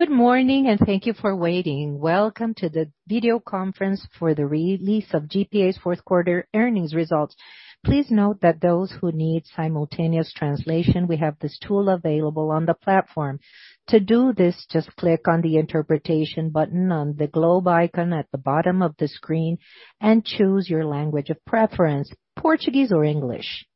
Good morning, and thank you for waiting. Welcome to the video conference for the release of GPA's fourth quarter earnings results. Please note that for those who need simultaneous translation, we have this tool available on the platform. To do this, just click on the interpretation button on the globe icon at the bottom of the screen and choose your language of preference, Portuguese or English.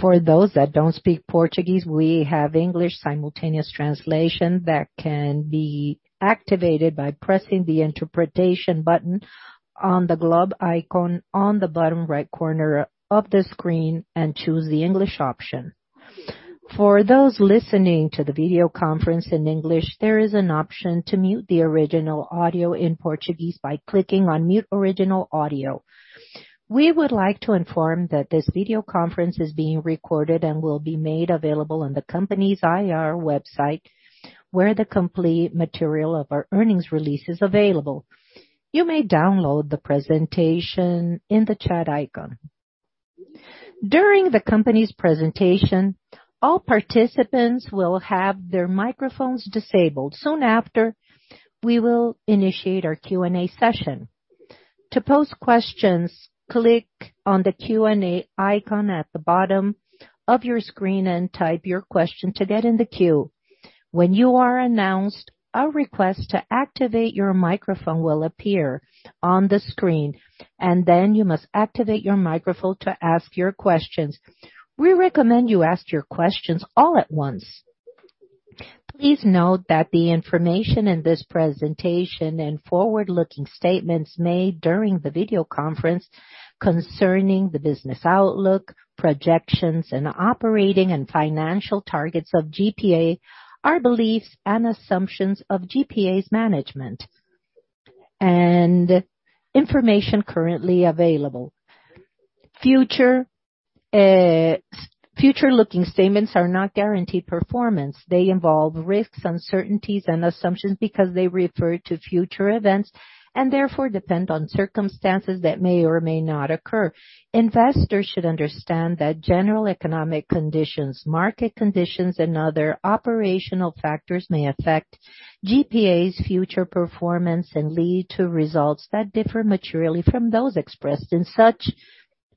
For those that don't speak Portuguese, we have English simultaneous translation that can be activated by pressing the interpretation button on the globe icon on the bottom right corner of the screen, and choose the English option. For those listening to the video conference in English, there is an option to mute the original audio in Portuguese by clicking on mute original audio. We would like to inform that this video conference is being recorded and will be made available on the company's IR website, where the complete material of our earnings release is available. You may download the presentation in the chat icon. During the company's presentation, all participants will have their microphones disabled. Soon after, we will initiate our Q&A session. To pose questions, click on the Q&A icon at the bottom of your screen and type your question to get in the queue. When you are announced, a request to activate your microphone will appear on the screen, and then you must activate your microphone to ask your questions. We recommend you ask your questions all at once. Please note that the information in this presentation and forward-looking statements made during the video conference concerning the business outlook, projections, and operating and financial targets of GPA are beliefs and assumptions of GPA's management and information currently available. Future-looking statements are not guaranteed performance. They involve risks, uncertainties, and assumptions because they refer to future events, and therefore depend on circumstances that may or may not occur. Investors should understand that general economic conditions, market conditions, and other operational factors may affect GPA's future performance and lead to results that differ materially from those expressed in such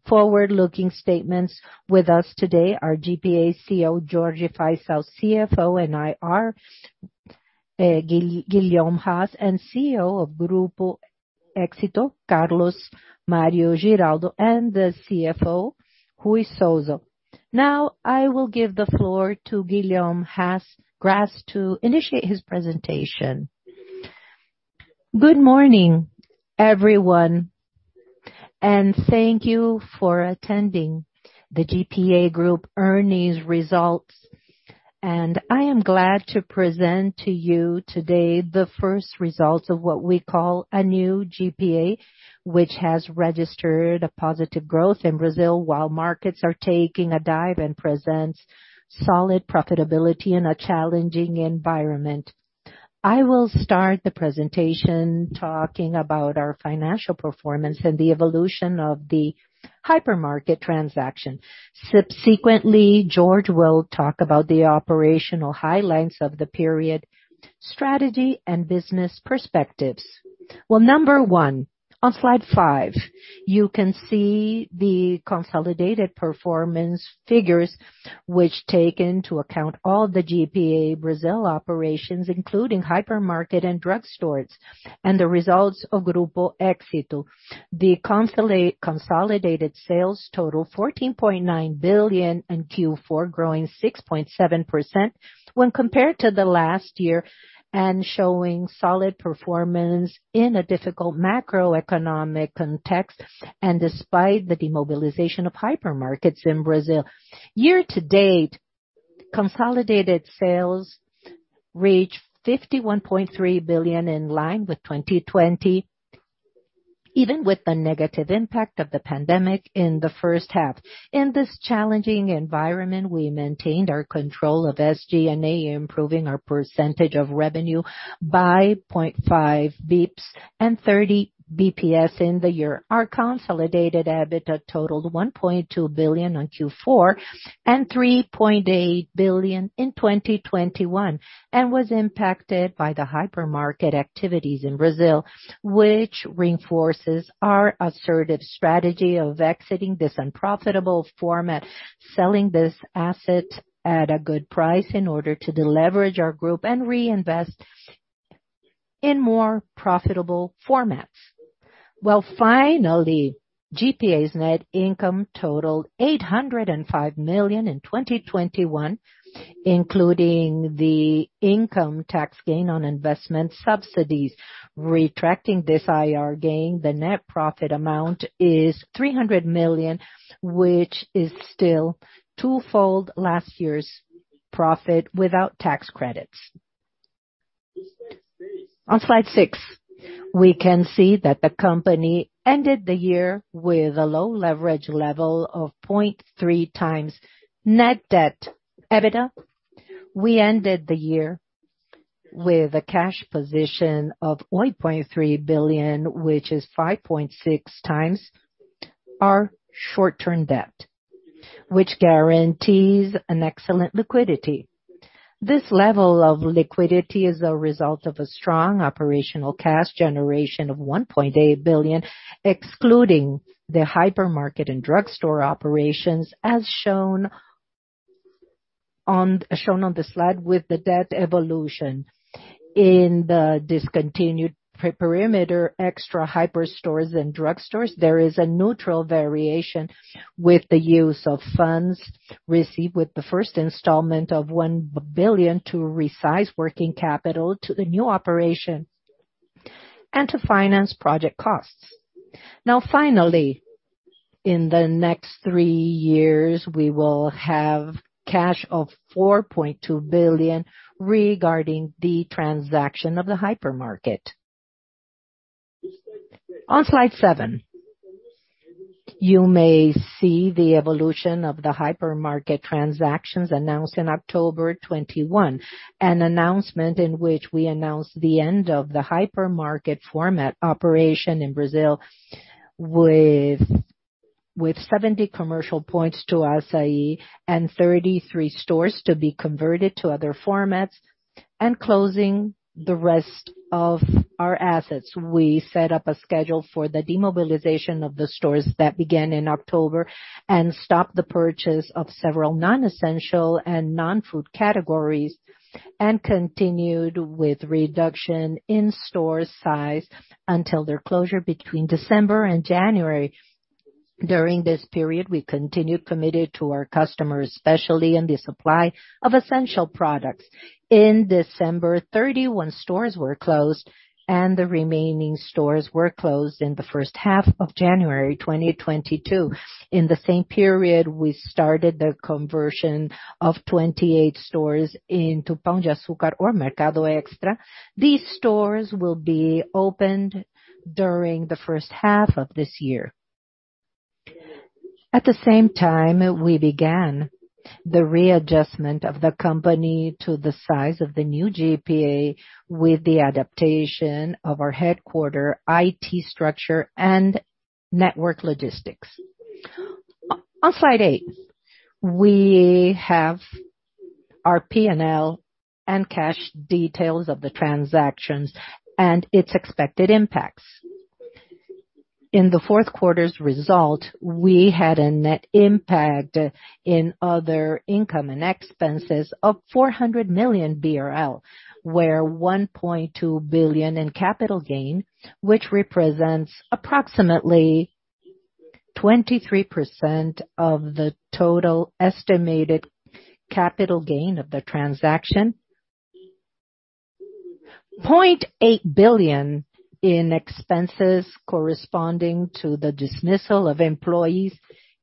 forward-looking statements. With us today are GPA CEO, Jorge Faical, CFO and IR, Guillaume Gras, and CEO of Grupo Éxito, Carlos Mario Giraldo, and the CFO, Ruy Souza. Now I will give the floor to Guillaume Gras to initiate his presentation. Good morning, everyone, and thank you for attending the GPA Group earnings results. I am glad to present to you today the first results of what we call a new GPA, which has registered a positive growth in Brazil while markets are taking a dive and presents solid profitability in a challenging environment. I will start the presentation talking about our financial performance and the evolution of the hypermarket transition. Subsequently, Jorge will talk about the operational highlights of the period, strategy, and business perspectives. Well, number one, on slide five, you can see the consolidated performance figures, which take into account all the GPA Brazil operations, including hypermarket and drugstores, and the results of Grupo Éxito. Consolidated sales totaled 14.9 billion in Q4, growing 6.7% when compared to the last year, and showing solid performance in a difficult macroeconomic context, and despite the demobilization of hypermarkets in Brazil. Year to date, consolidated sales reached 51.3 billion in line with 2020, even with the negative impact of the pandemic in the first half. In this challenging environment, we maintained our control of SG&A, improving our percentage of revenue by 0.5 bps and 30 bps in the year. Our consolidated EBITDA totaled 1.2 billion in Q4, and 3.8 billion in 2021, and was impacted by the hypermarket activities in Brazil, which reinforces our assertive strategy of exiting this unprofitable format, selling this asset at a good price in order to deleverage our group and reinvest in more profitable formats. Well, finally, GPA's net income totaled 805 million in 2021, including the income tax gain on investment subsidies. Excluding this IR gain, the net profit amount is 300 million, which is still twofold last year's profit without tax credits. On slide six, we can see that the company ended the year with a low leverage level of 0.3 times net debt/EBITDA. We ended the year with a cash position of 1.3 billion, which is 5.6 times our short-term debt, which guarantees an excellent liquidity. This level of liquidity is a result of a strong operational cash generation of 1.8 billion, excluding the hypermarket and drugstore operations as shown on the slide with the debt evolution. In the discontinued perimeter, Extra Hiper stores and drugstores, there is a neutral variation with the use of funds received with the first installment of 1 billion to resize working capital to the new operation and to finance project costs. Now finally, in the next 3 years, we will have cash of 4.2 billion regarding the transaction of the hypermarket. On slide seven, you may see the evolution of the hypermarket transactions announced in October 2021. An announcement in which we announced the end of the hypermarket format operation in Brazil with 70 commercial points to Assaí and 33 stores to be converted to other formats. Closing the rest of our assets. We set up a schedule for the demobilization of the stores that began in October, and stopped the purchase of several non-essential and non-food categories, and continued with reduction in store size until their closure between December and January. During this period, we continued, committed to our customers, especially in the supply of essential products. In December, 31 stores were closed, and the remaining stores were closed in the first half of January 2022. In the same period, we started the conversion of 28 stores into Pão de Açúcar or Mercado Extra. These stores will be opened during the first half of this year. At the same time, we began the readjustment of the company to the size of the new GPA with the adaptation of our headquarters, IT structure and network logistics. On slide eight, we have our P&L and cash details of the transactions and its expected impacts. In the fourth quarter's result, we had a net impact in other income and expenses of 400 million BRL, where 1.2 billion in capital gain, which represents approximately 23% of the total estimated capital gain of the transaction. 0.8 billion in expenses corresponding to the dismissal of employees,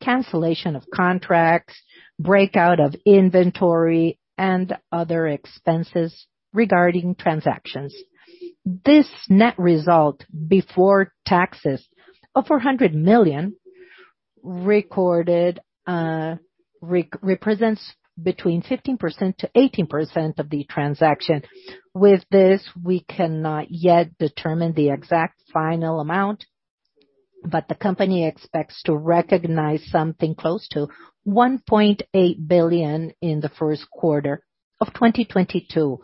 cancellation of contracts, breakout of inventory and other expenses regarding transactions. This net result before taxes of 400 million recorded represents between 15%-18% of the transaction. With this, we cannot yet determine the exact final amount, but the company expects to recognize something close to 1.8 billion in the first quarter of 2022.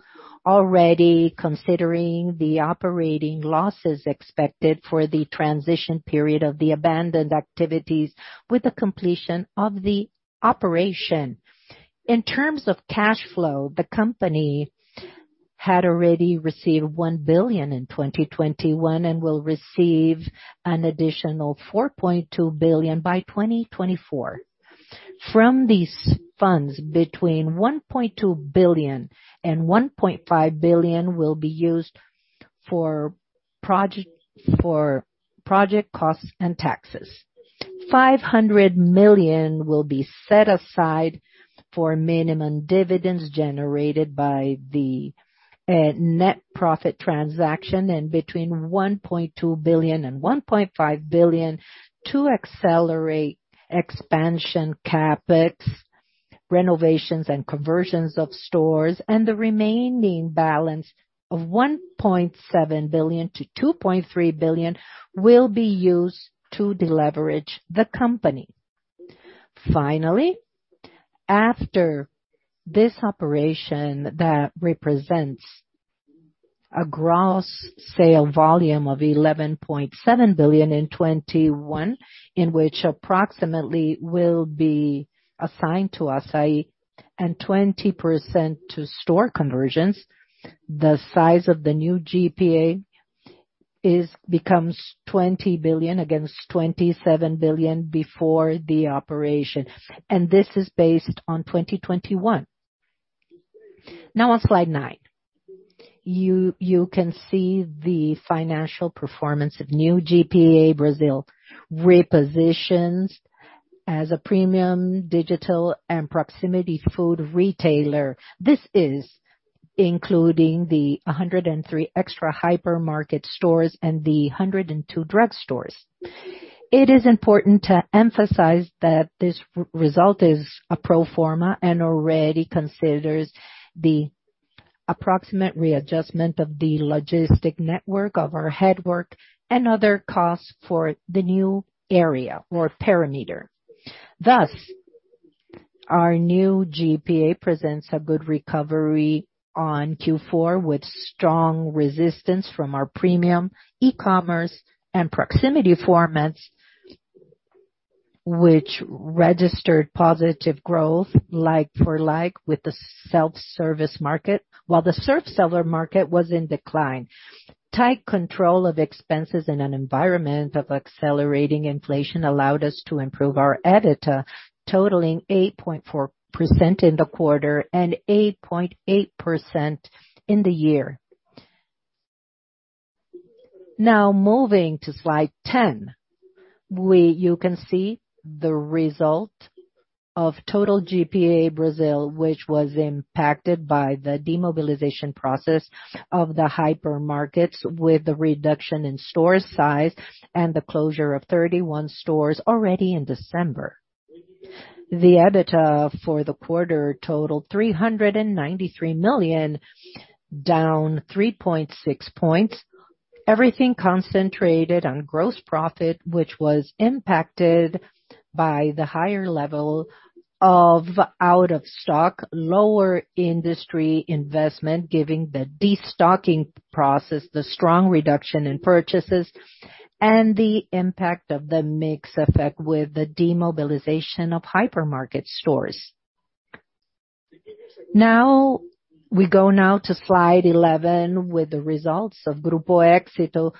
Already considering the operating losses expected for the transition period of the abandoned activities with the completion of the operation. In terms of cash flow, the company had already received 1 billion in 2021, and will receive an additional 4.2 billion by 2024. From these funds, between 1.2 billion and 1.5 billion will be used for project costs and taxes. 500 million will be set aside for minimum dividends generated by the net profit transaction and between 1.2 billion and 1.5 billion to accelerate expansion CapEx, renovations and conversions of stores. The remaining balance of 1.7 billion-2.3 billion will be used to deleverage the company. Finally, after this operation that represents a gross sale volume of 11.7 billion in 2021, in which approximately will be assigned to Assaí and 20% to store conversions, the size of the new GPA becomes 20 billion against 27 billion before the operation. This is based on 2021. Now on slide nine, you can see the financial performance of new GPA. Brazil repositions as a premium digital and proximity food retailer. This is including the 103 Extra hypermarket stores and the 102 drugstores. It is important to emphasize that this result is a pro forma and already considers the approximate readjustment of the logistics network of our headquarters and other costs for the new perimeter. Thus, our new GPA presents a good recovery on Q4 with strong resistance from our premium e-commerce and proximity formats, which registered positive growth like for like with the self-service market, while the self-seller market was in decline. Tight control of expenses in an environment of accelerating inflation allowed us to improve our EBITDA, totaling 8.4% in the quarter and 8.8% in the year. Now moving to slide 10. You can see the result of total GPA Brazil, which was impacted by the demobilization process of the hypermarkets, with the reduction in store size and the closure of 31 stores already in December. The EBITDA for the quarter totaled 393 million, down 3.6 points. Everything concentrated on gross profit, which was impacted by the higher level of out of stock, lower industry investment, giving the destocking process the strong reduction in purchases and the impact of the mix effect with the demobilization of hypermarket stores. Now, we go to slide 11 with the results of Grupo Éxito,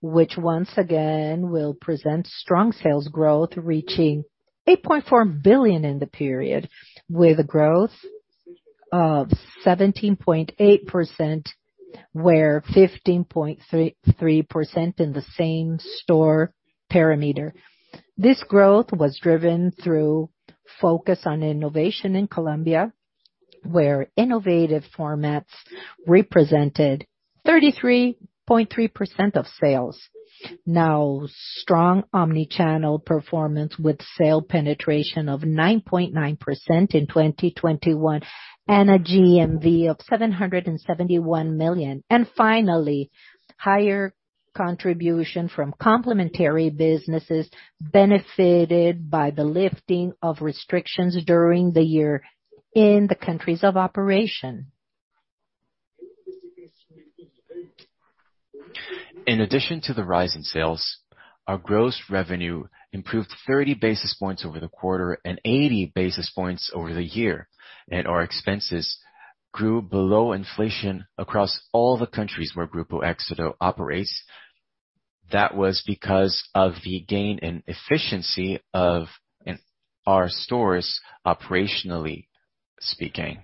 which once again will present strong sales growth, reaching COP 8.4 billion in the period with a growth of 17.8%, where 15.33% in the same-store sales. This growth was driven through focus on innovation in Colombia, where innovative formats represented 33.3% of sales. Now strong omni-channel performance with sales penetration of 9.9% in 2021, and a GMV of COP 771 million. Finally, higher contribution from complementary businesses benefited by the lifting of restrictions during the year in the countries of operation. In addition to the rise in sales, our gross revenue improved 30 basis points over the quarter and 80 basis points over the year. Our expenses grew below inflation across all the countries where Grupo Éxito operates. That was because of the gain in efficiency of our stores, operationally speaking.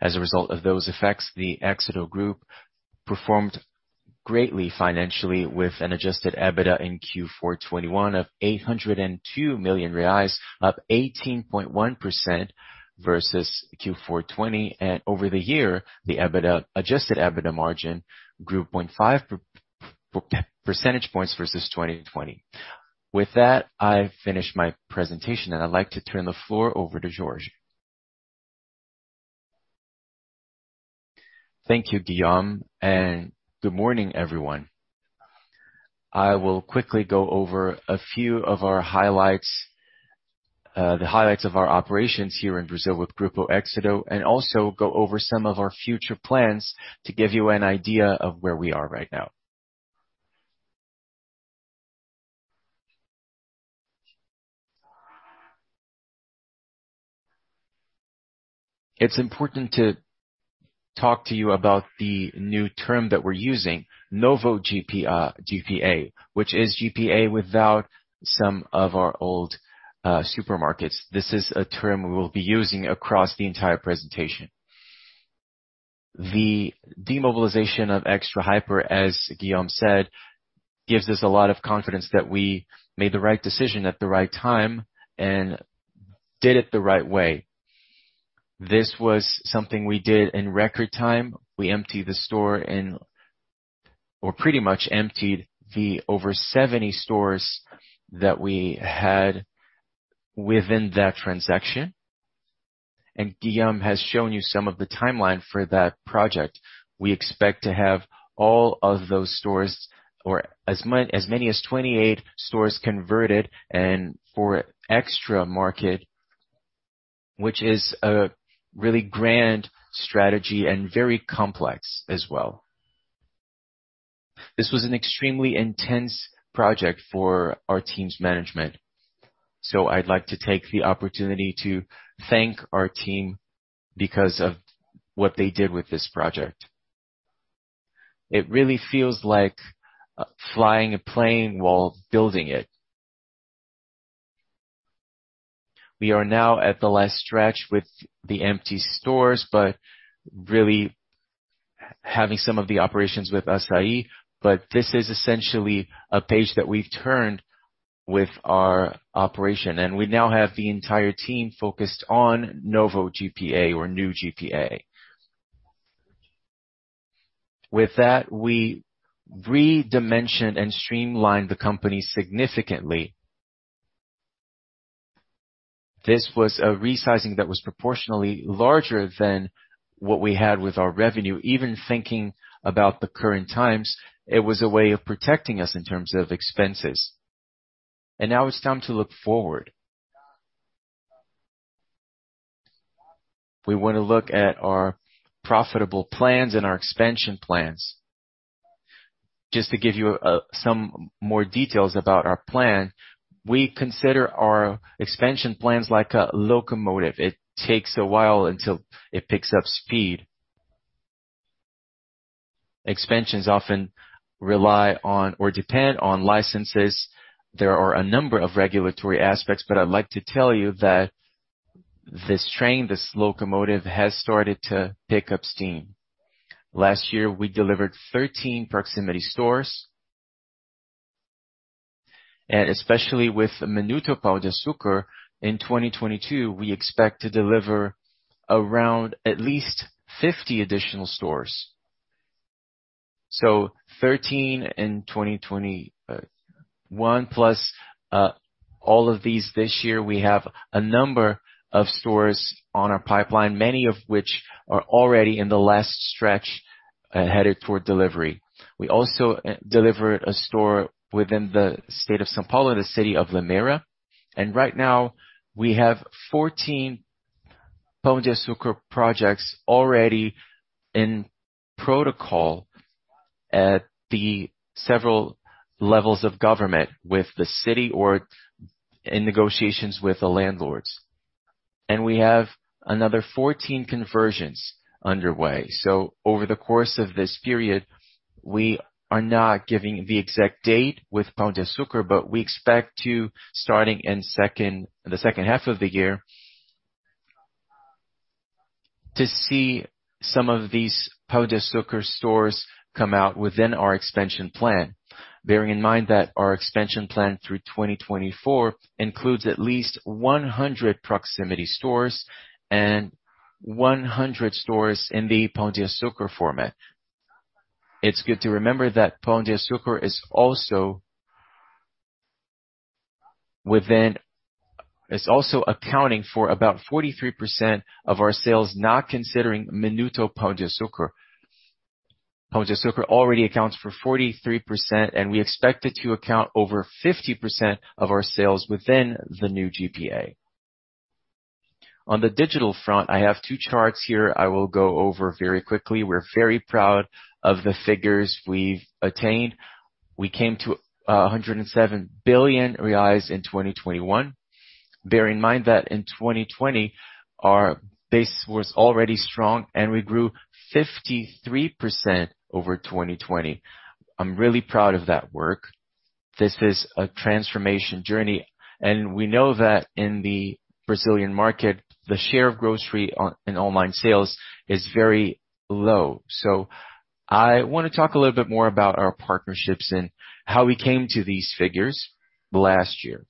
As a result of those effects, the Éxito Group performed greatly financially with an adjusted EBITDA in Q4 2021 of 802 million reais, up 18.1% versus Q4 2020. Over the year, the EBITDA, adjusted EBITDA margin grew 0.5 percentage points versus 2020. With that, I've finished my presentation, and I'd like to turn the floor over to Jorge. Thank you, Guillaume, and good morning, everyone. I will quickly go over a few of our highlights, the highlights of our operations here in Brazil with Grupo Éxito, and also go over some of our future plans to give you an idea of where we are right now. It's important to talk to you about the new term that we're using, Novo GPA, which is GPA without some of our old supermarkets. This is a term we'll be using across the entire presentation. The demobilization of Extra Hiper, as Guillaume Gras said, gives us a lot of confidence that we made the right decision at the right time and did it the right way. This was something we did in record time. We emptied the store and, or pretty much emptied the over 70 stores that we had within that transaction. Guillaume Gras has shown you some of the timeline for that project. We expect to have all of those stores or as many as 28 stores converted and for Mercado Extra, which is a really grand strategy and very complex as well. This was an extremely intense project for our team's management. I'd like to take the opportunity to thank our team because of what they did with this project. It really feels like flying a plane while building it. We are now at the last stretch with the empty stores, but really having some of the operations with Assaí. This is essentially a page that we've turned with our operation, and we now have the entire team focused on Novo GPA or New GPA. With that, we re-dimension and streamline the company significantly. This was a resizing that was proportionally larger than what we had with our revenue. Even thinking about the current times, it was a way of protecting us in terms of expenses. Now it's time to look forward. We wanna look at our profitable plans and our expansion plans. Just to give you some more details about our plan, we consider our expansion plans like a locomotive. It takes a while until it picks up speed. Expansions often rely on or depend on licenses. There are a number of regulatory aspects, but I'd like to tell you that this train, this locomotive, has started to pick up steam. Last year, we delivered 13 proximity stores. Especially with Minuto Pão de Açúcar, in 2022, we expect to deliver around at least 50 additional stores. Thirteen in 2021, plus all of these this year. We have a number of stores on our pipeline, many of which are already in the last stretch headed toward delivery. We also delivered a store within the state of São Paulo, the city of Limeira. Right now, we have 14 Pão de Açúcar projects already in protocol at the several levels of government with the city or in negotiations with the landlords. We have another 14 conversions underway. Over the course of this period, we are not giving the exact date with Pão de Açúcar, but we expect to, starting in the second half of the year, to see some of these Pão de Açúcar stores come out within our expansion plan. Bearing in mind that our expansion plan through 2024 includes at least 100 proximity stores and 100 stores in the Pão de Açúcar format. It's good to remember that Pão de Açúcar is also accounting for about 43% of our sales, not considering Minuto Pão de Açúcar. Pão de Açúcar already accounts for 43%, and we expect it to account over 50% of our sales within the new GPA. On the digital front, I have two charts here I will go over very quickly. We're very proud of the figures we've attained. We came to 107 billion reais in 2021. Bear in mind that in 2020, our base was already strong, and we grew 53% over 2020. I'm really proud of that work. This is a transformation journey, and we know that in the Brazilian market, the share of grocery on in online sales is very low. I wanna talk a little bit more about our partnerships and how we came to these figures last year.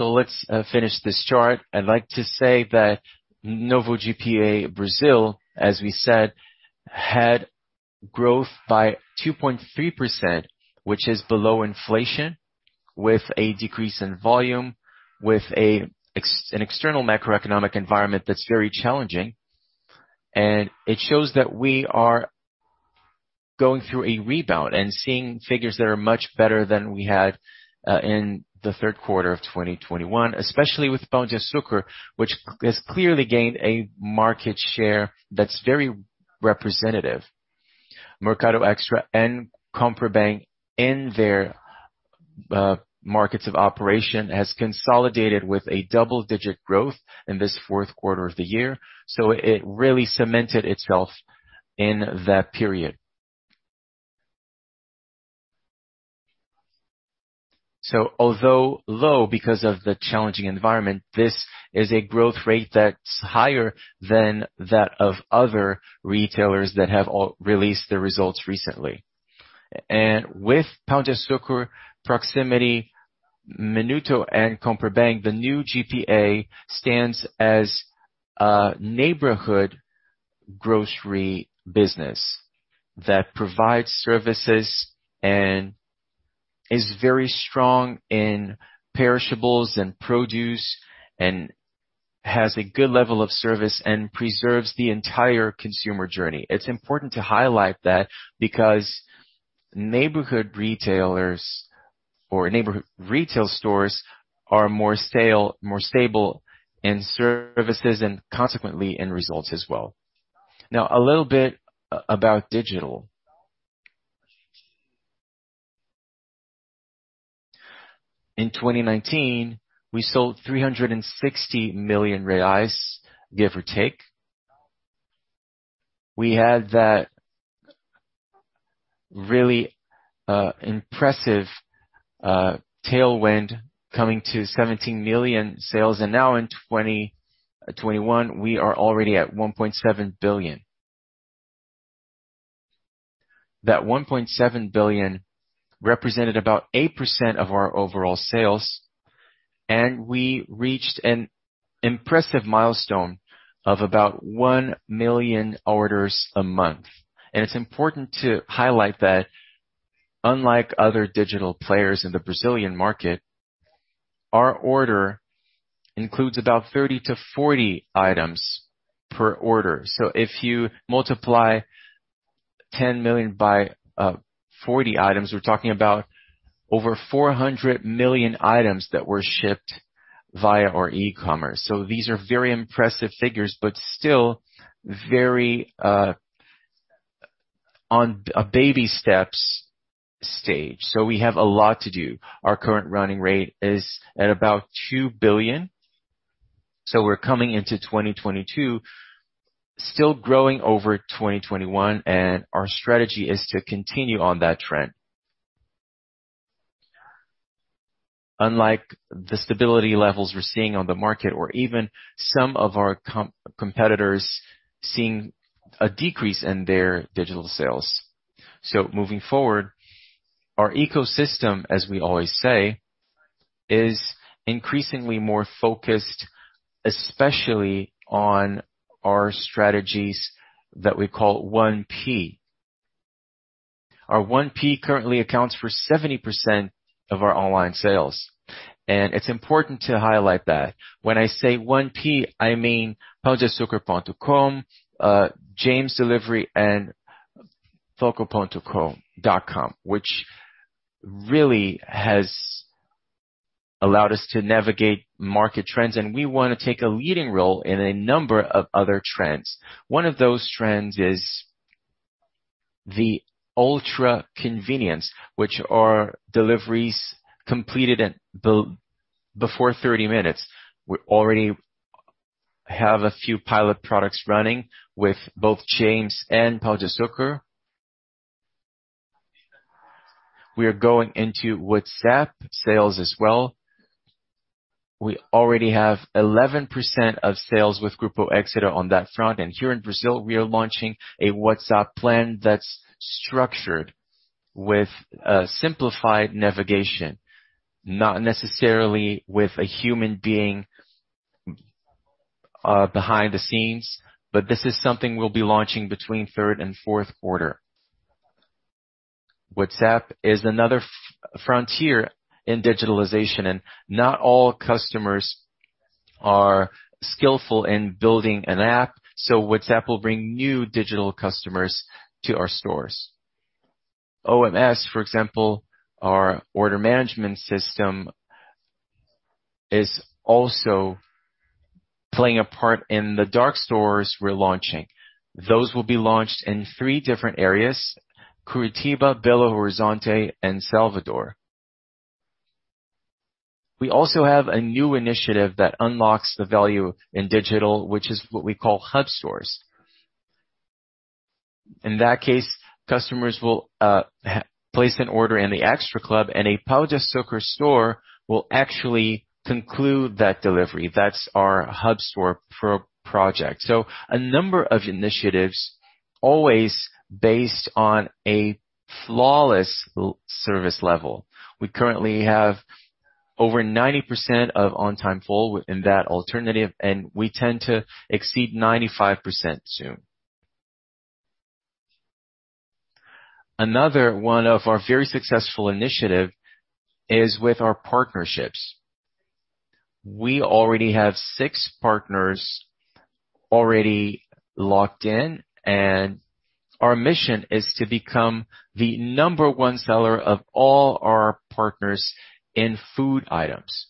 Let's finish this chart. I'd like to say that Novo GPA Brazil, as we said, had growth by 2.3%, which is below inflation, with a decrease in volume, with an external macroeconomic environment that's very challenging. It shows that we are going through a rebound and seeing figures that are much better than we had in the third quarter of 2021, especially with Pão de Açúcar, which has clearly gained a market share that's very representative. Mercado Extra and Compre Bem in their markets of operation has consolidated with a double-digit growth in this fourth quarter of the year, it really cemented itself in that period. Although low because of the challenging environment, this is a growth rate that's higher than that of other retailers that have all released their results recently. With Pão de Açúcar, Proximity, Minuto, and Compre Bem, the new GPA stands as a neighborhood grocery business that provides services and is very strong in perishables and produce and has a good level of service and preserves the entire consumer journey. It's important to highlight that because neighborhood retailers or neighborhood retail stores are more stable in services and consequently in results as well. Now a little bit about digital. In 2019, we sold 360 million reais, give or take. We had that really impressive tailwind coming to 17 million sales. Now in 2021, we are already at 1.7 billion. That 1.7 billion represented about 8% of our overall sales, and we reached an impressive milestone of about 1 million orders a month. It's important to highlight that unlike other digital players in the Brazilian market, our order includes about 30-40 items per order. If you multiply 10 million by 40 items, we're talking about over 400 million items that were shipped via our e-commerce. These are very impressive figures, but still very on a baby steps stage. We have a lot to do. Our current running rate is at about 2 billion. We're coming into 2022, still growing over 2021, and our strategy is to continue on that trend. Unlike the stability levels we're seeing on the market or even some of our competitors seeing a decrease in their digital sales. Moving forward, our ecosystem, as we always say, is increasingly more focused, especially on our strategies that we call 1P. Our 1P currently accounts for 70% of our online sales, and it's important to highlight that. When I say 1P, I mean Pão de Açúcar ponto com, James Delivery and Extra ponto com, which really has allowed us to navigate market trends, and we wanna take a leading role in a number of other trends. One of those trends is the ultra convenience, which are deliveries completed before 30 minutes. We already have a few pilot products running with both James and Pão de Açúcar. We are going into WhatsApp sales as well. We already have 11% of sales with Grupo Éxito on that front. Here in Brazil, we are launching a WhatsApp plan that's structured with a simplified navigation, not necessarily with a human being behind the scenes. This is something we'll be launching between third and fourth quarter. WhatsApp is another frontier in digitalization, and not all customers are skillful in using an app, so WhatsApp will bring new digital customers to our stores. OMS, for example, our order management system, is also playing a part in the dark stores we're launching. Those will be launched in three different areas, Curitiba, Belo Horizonte, and Salvador. We also have a new initiative that unlocks the value in digital, which is what we call hub stores. In that case, customers will place an order in the Clube Extra, and a Pão de Açúcar store will actually conclude that delivery. That's our hub store project. A number of initiatives always based on a flawless service level. We currently have over 90% on-time fulfillment in that alternative, and we tend to exceed 95% soon. Another one of our very successful initiative is with our partnerships. We already have six partners locked in, and our mission is to become the number one seller of all our partners in food items.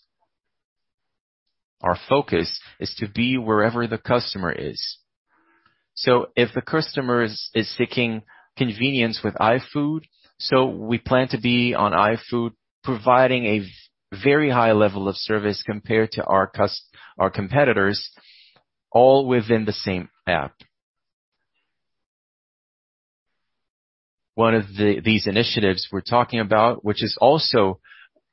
Our focus is to be wherever the customer is. If the customer is seeking convenience with iFood, we plan to be on iFood, providing a very high level of service compared to our competitors, all within the same app. One of these initiatives we're talking about, which is also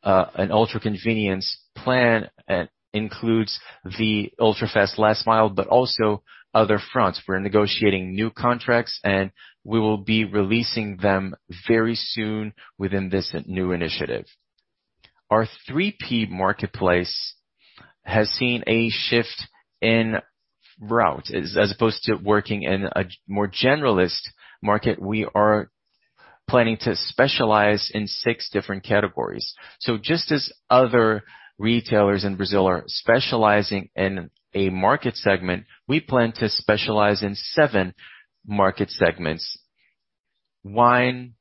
an ultra convenience plan, includes the Ultra Fast last mile, but also other fronts. We're negotiating new contracts, and we will be releasing them very soon within this new initiative. Our 3P marketplace has seen a shift in route. As opposed to working in a more generalist market, we are planning to specialize in six different categories. Just as other retailers in Brazil are specializing in a market segment, we plan to specialize in seven market segments: wine,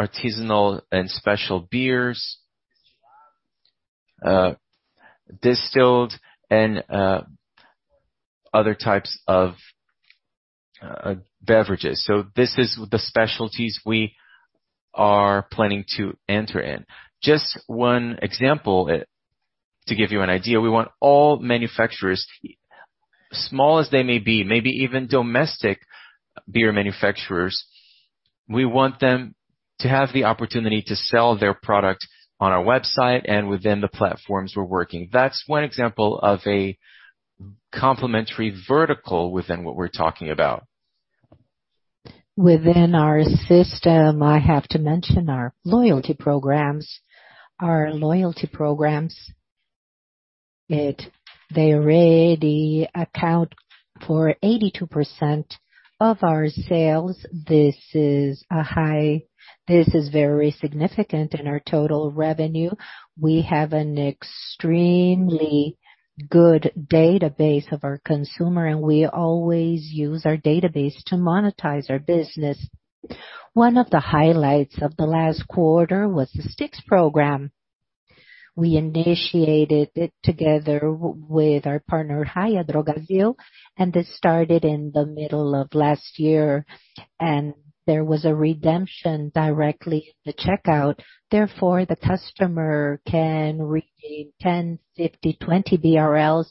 artisanal and special beers, distilled and other types of beverages. This is the specialties we are planning to enter in. Just one example, to give you an idea, we want all manufacturers, small as they may be, maybe even domestic beer manufacturers, we want them to have the opportunity to sell their product on our website and within the platforms we're working. That's one example of a complementary vertical within what we're talking about. Within our system, I have to mention our loyalty programs. Our loyalty programs, they already account for 82% of our sales. This is very significant in our total revenue. We have an extremely good database of our consumer, and we always use our database to monetize our business. One of the highlights of the last quarter was the Stix program. We initiated it together with our partner, Raia Drogasil, and this started in the middle of last year. There was a redemption directly at the checkout. Therefore, the customer can redeem 10, 50, 20 BRL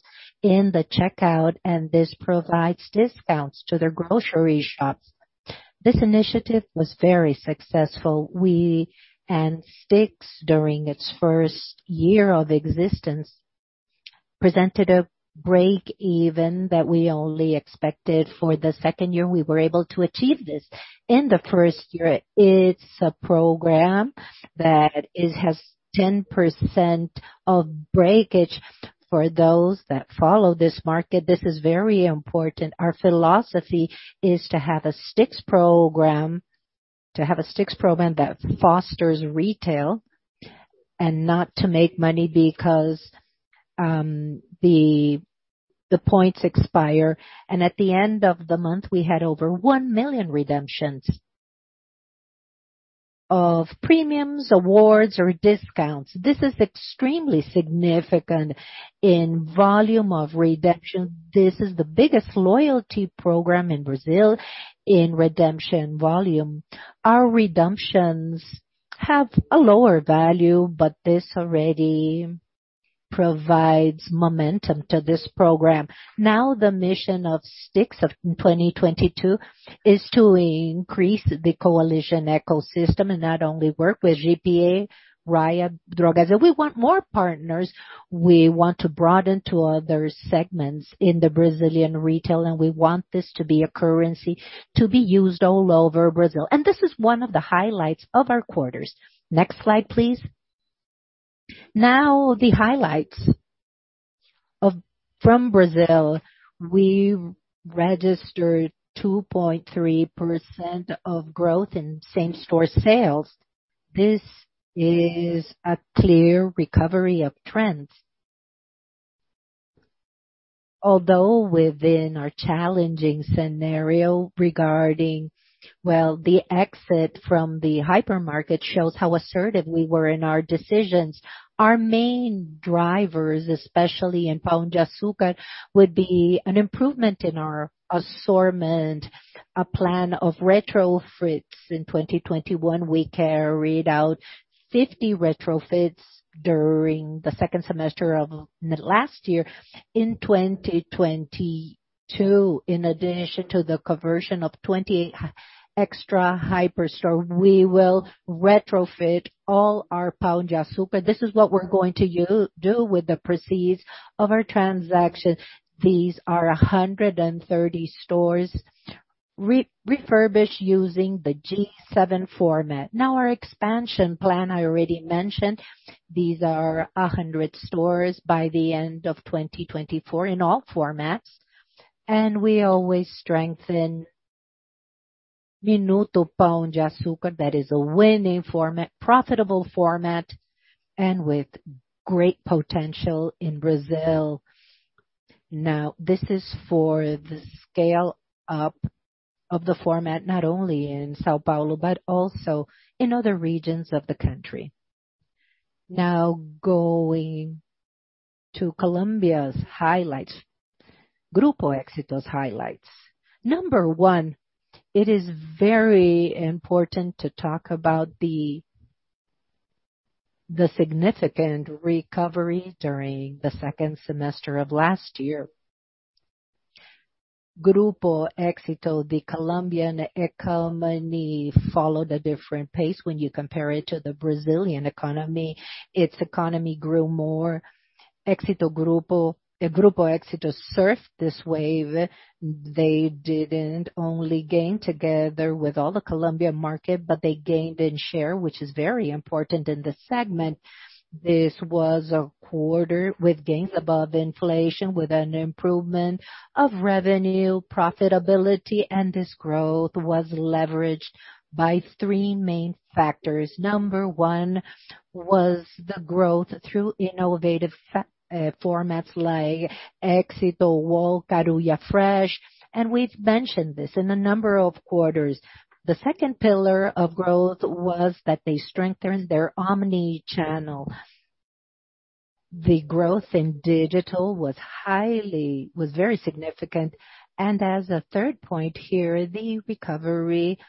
in the checkout, and this provides discounts to their grocery shops. This initiative was very successful. We and Stix, during its first year of existence, presented a break-even that we only expected for the second year, and we were able to achieve this in the first year. It's a program that it has 10% of breakage. For those that follow this market, this is very important. Our philosophy is to have a Stix program that fosters retail and not to make money because the points expire. At the end of the month, we had over 1 million redemptions of premiums, awards, or discounts. This is extremely significant in volume of redemption. This is the biggest loyalty program in Brazil in redemption volume. Our redemptions have a lower value, but this already provides momentum to this program. Now, the mission of Stix of 2022 is to increase the coalition ecosystem and not only work with GPA, Raia Drogasil. We want more partners. We want to broaden to other segments in the Brazilian retail, and we want this to be a currency to be used all over Brazil. This is one of the highlights of our quarters. Next slide, please. Now the highlights from Brazil. We registered 2.3% growth in same-store sales. This is a clear recovery of trends. Although within our challenging scenario regarding, well, the exit from the hypermarket shows how assertive we were in our decisions. Our main drivers, especially in Pão de Açúcar, would be an improvement in our assortment, a plan of retrofits. In 2021, we carried out 50 retrofits during the second semester of last year. In 2022, in addition to the conversion of 28 Extra Hiper stores, we will retrofit all our Pão de Açúcar. This is what we're going to do with the proceeds of our transaction. These are 130 stores refurbished using the G7 format. Now, our expansion plan, I already mentioned. These are 100 stores by the end of 2024 in all formats. We always strengthen Minuto Pão de Açúcar. That is a winning format, profitable format, and with great potential in Brazil. Now, this is for the scale-up of the format, not only in São Paulo, but also in other regions of the country. Now going to Colombia's highlights. Grupo Éxito's highlights. Number one, it is very important to talk about the significant recovery during the second semester of last year. Grupo Éxito, the Colombian economy followed a different pace when you compare it to the Brazilian economy. Its economy grew more. Grupo Éxito surfed this wave. They didn't only gain together with all the Colombian market, but they gained in share, which is very important in this segment. This was a quarter with gains above inflation, with an improvement of revenue profitability, and this growth was leveraged by three main factors. Number one was the growth through innovative formats like Éxito WOW, Carulla Fresh. We've mentioned this in a number of quarters. The second pillar of growth was that they strengthened their omni-channel. The growth in digital was very significant. As a third point here, the recovery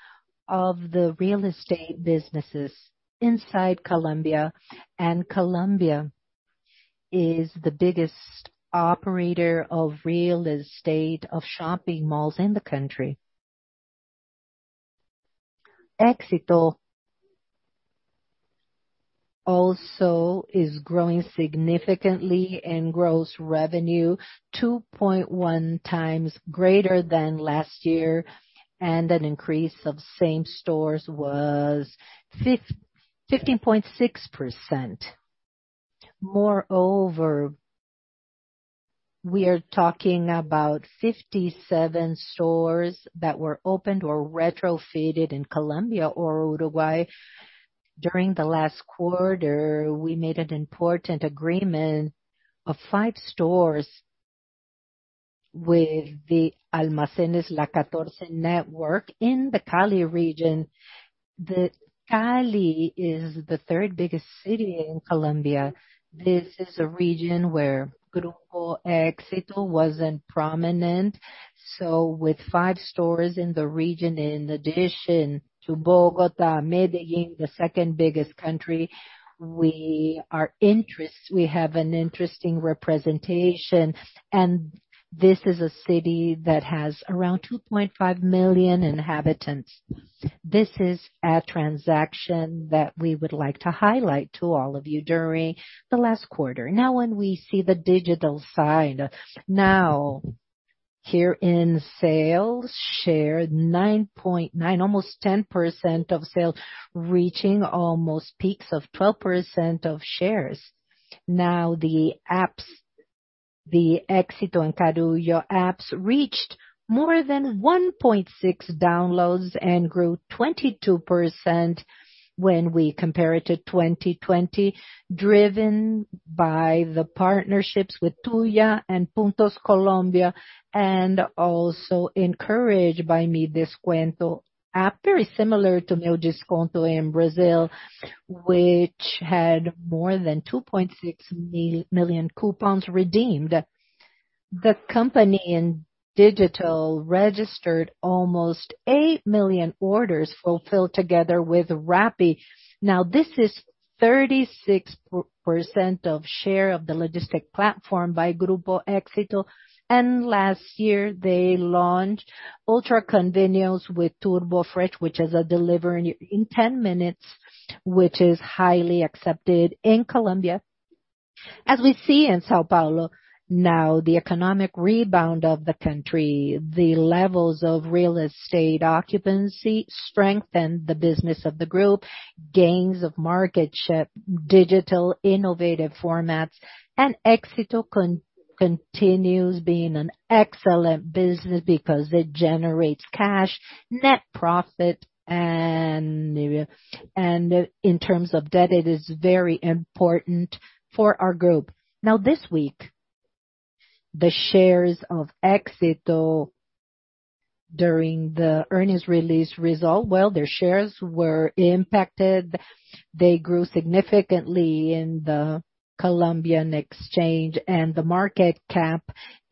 of the real estate businesses inside Colombia. Colombia is the biggest operator of real estate, of shopping malls in the country. Éxito also is growing significantly in gross revenue 2.1 times greater than last year, and an increase of same-store sales was 15.6%. Moreover, we are talking about 57 stores that were opened or retrofitted in Colombia or Uruguay. During the last quarter, we made an important agreement of five stores with the Almacenes La 14 network in the Cali region. Cali is the third biggest city in Colombia. This is a region where Grupo Éxito wasn't prominent. With five stores in the region in addition to Bogotá, Medellín, the second biggest city, we have an interesting representation. This is a city that has around 2.5 million inhabitants. This is a transaction that we would like to highlight to all of you during the last quarter. Now, when we see the digital side. Now, here in sales share 9.9, almost 10% of sales, reaching almost peaks of 12% of sales. The apps, the Éxito and Carulla apps reached more than 1.6 downloads and grew 22% when we compare it to 2020. Driven by the partnerships with Tuya and Puntos Colombia, and also encouraged by Mi Descuento app, very similar to Meu Desconto in Brazil, which had more than 2.6 million coupons redeemed. The company in digital registered almost 8 million orders fulfilled together with Rappi. Now, this is 36% of share of the logistics platform by Grupo Éxito. Last year they launched ultra convenience with Turbo Fresh, which is a delivery in 10 minutes, which is highly accepted in Colombia. As we see in São Paulo now, the economic rebound of the country, the levels of real estate occupancy strengthened the business of the group, gains of market share, digital innovative formats. Éxito continues being an excellent business because it generates cash, net profit, and in terms of debt, it is very important for our group. Now, this week, the shares of Éxito during the earnings release result, well, their shares were impacted. They grew significantly in the Colombian exchange, and the market cap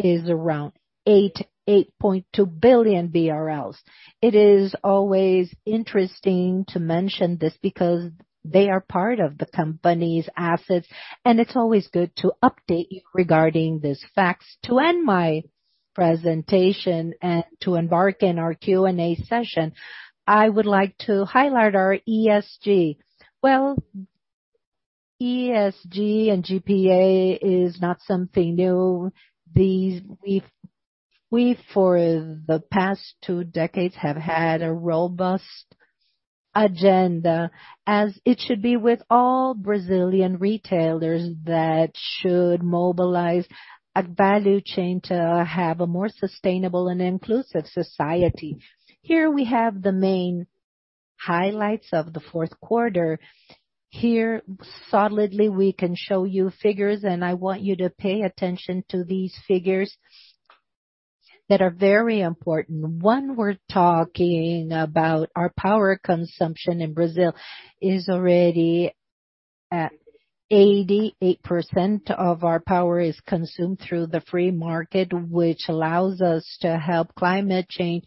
is around 8.2 billion BRL. It is always interesting to mention this because they are part of the company's assets, and it's always good to update you regarding these facts. To end my presentation and to embark in our Q&A session, I would like to highlight our ESG. Well, ESG and GPA is not something new. These. We've for the past two decades have had a robust agenda, as it should be with all Brazilian retailers that should mobilize a value chain to have a more sustainable and inclusive society. Here we have the main highlights of the fourth quarter. Here solidly we can show you figures, and I want you to pay attention to these figures that are very important. One, we're talking about our power consumption in Brazil is already at 88% of our power is consumed through the free market, which allows us to help climate change.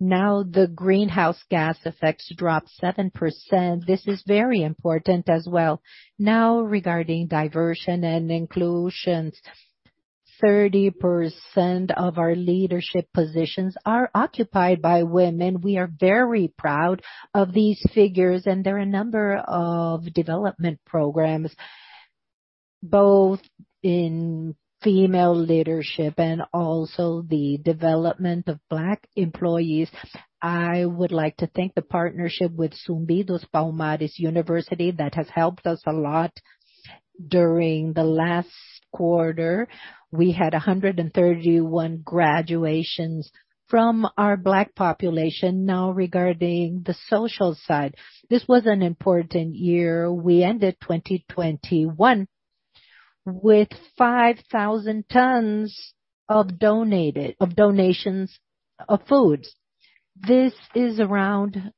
Now, the greenhouse gas emissions dropped 7%. This is very important as well. Now, regarding diversity and inclusion, 30% of our leadership positions are occupied by women. We are very proud of these figures, and there are a number of development programs, both in female leadership and also the development of Black employees. I would like to thank the partnership with Zumbi dos Palmares University, that has helped us a lot during the last quarter. We had 131 graduations from our Black population. Now, regarding the social side. This was an important year. We ended 2021 with 5,000 tons of donations of food. This is around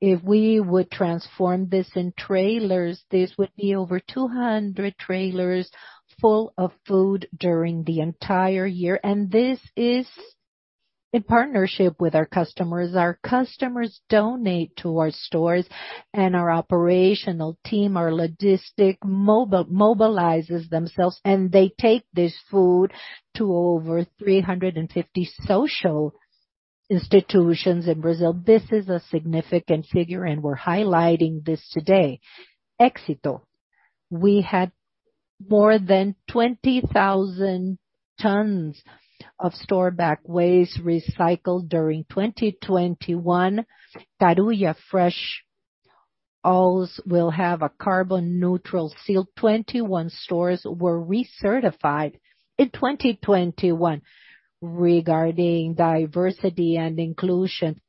if we would transform this in trailers, this would be over 200 trailers full of food during the entire year. This is in partnership with our customers. Our customers donate to our stores and our operational team, our logistics mobilizes themselves, and they take this food to over 350 social institutions in Brazil. This is a significant figure, and we're highlighting this today. Éxito. We had more than 20,000 tons of store back waste recycled during 2021. Carulla FreshMarket will have a carbon neutral seal. 21 stores were recertified in 2021. Regarding diversity and inclusion,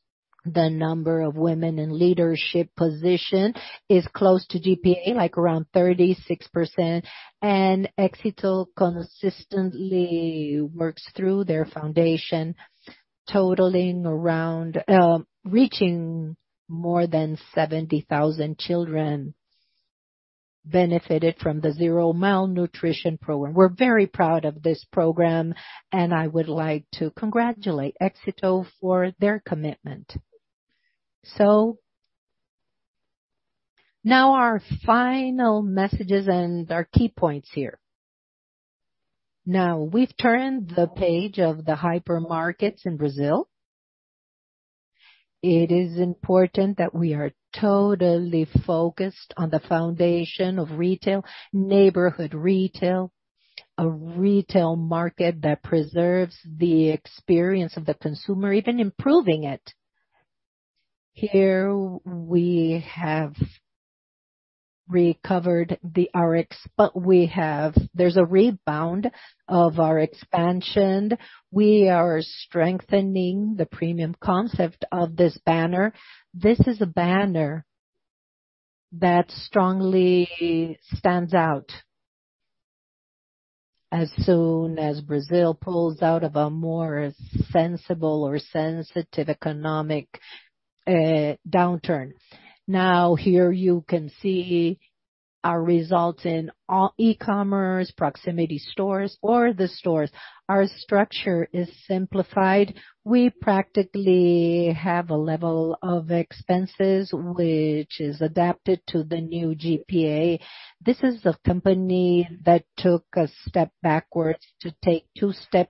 the number of women in leadership position is close to GPA, like around 36%. Éxito consistently works through their foundation, totaling around reaching more than 70,000 children benefited from Gen Cero. We're very proud of this program, and I would like to congratulate Éxito for their commitment. Now our final messages and our key points here. Now we've turned the page on the hypermarkets in Brazil. It is important that we are totally focused on the foundation of retail, neighborhood retail, a retail market that preserves the experience of the consumer, even improving it. Here we have recovered the RX, but there is a rebound of our expansion. We are strengthening the premium concept of this banner. This is a banner that strongly stands out as soon as Brazil pulls out of a more sensible or sensitive economic downturn. Now here you can see our results in all e-commerce, proximity stores or the stores. Our structure is simplified. We practically have a level of expenses which is adapted to the new GPA. This is a company that took a step backwards to take two step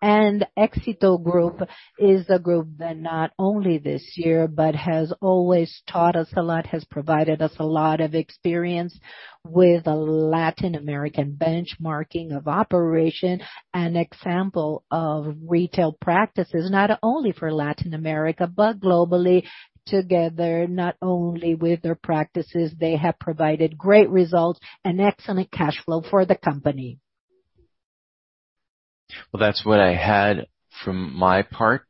forwards. Grupo Éxito is a group that not only this year, but has always taught us a lot, has provided us a lot of experience with a Latin American benchmarking of operation, an example of retail practices not only for Latin America, but globally together, not only with their practices. They have provided great results and excellent cash flow for the company. Well, that's what I had from my part,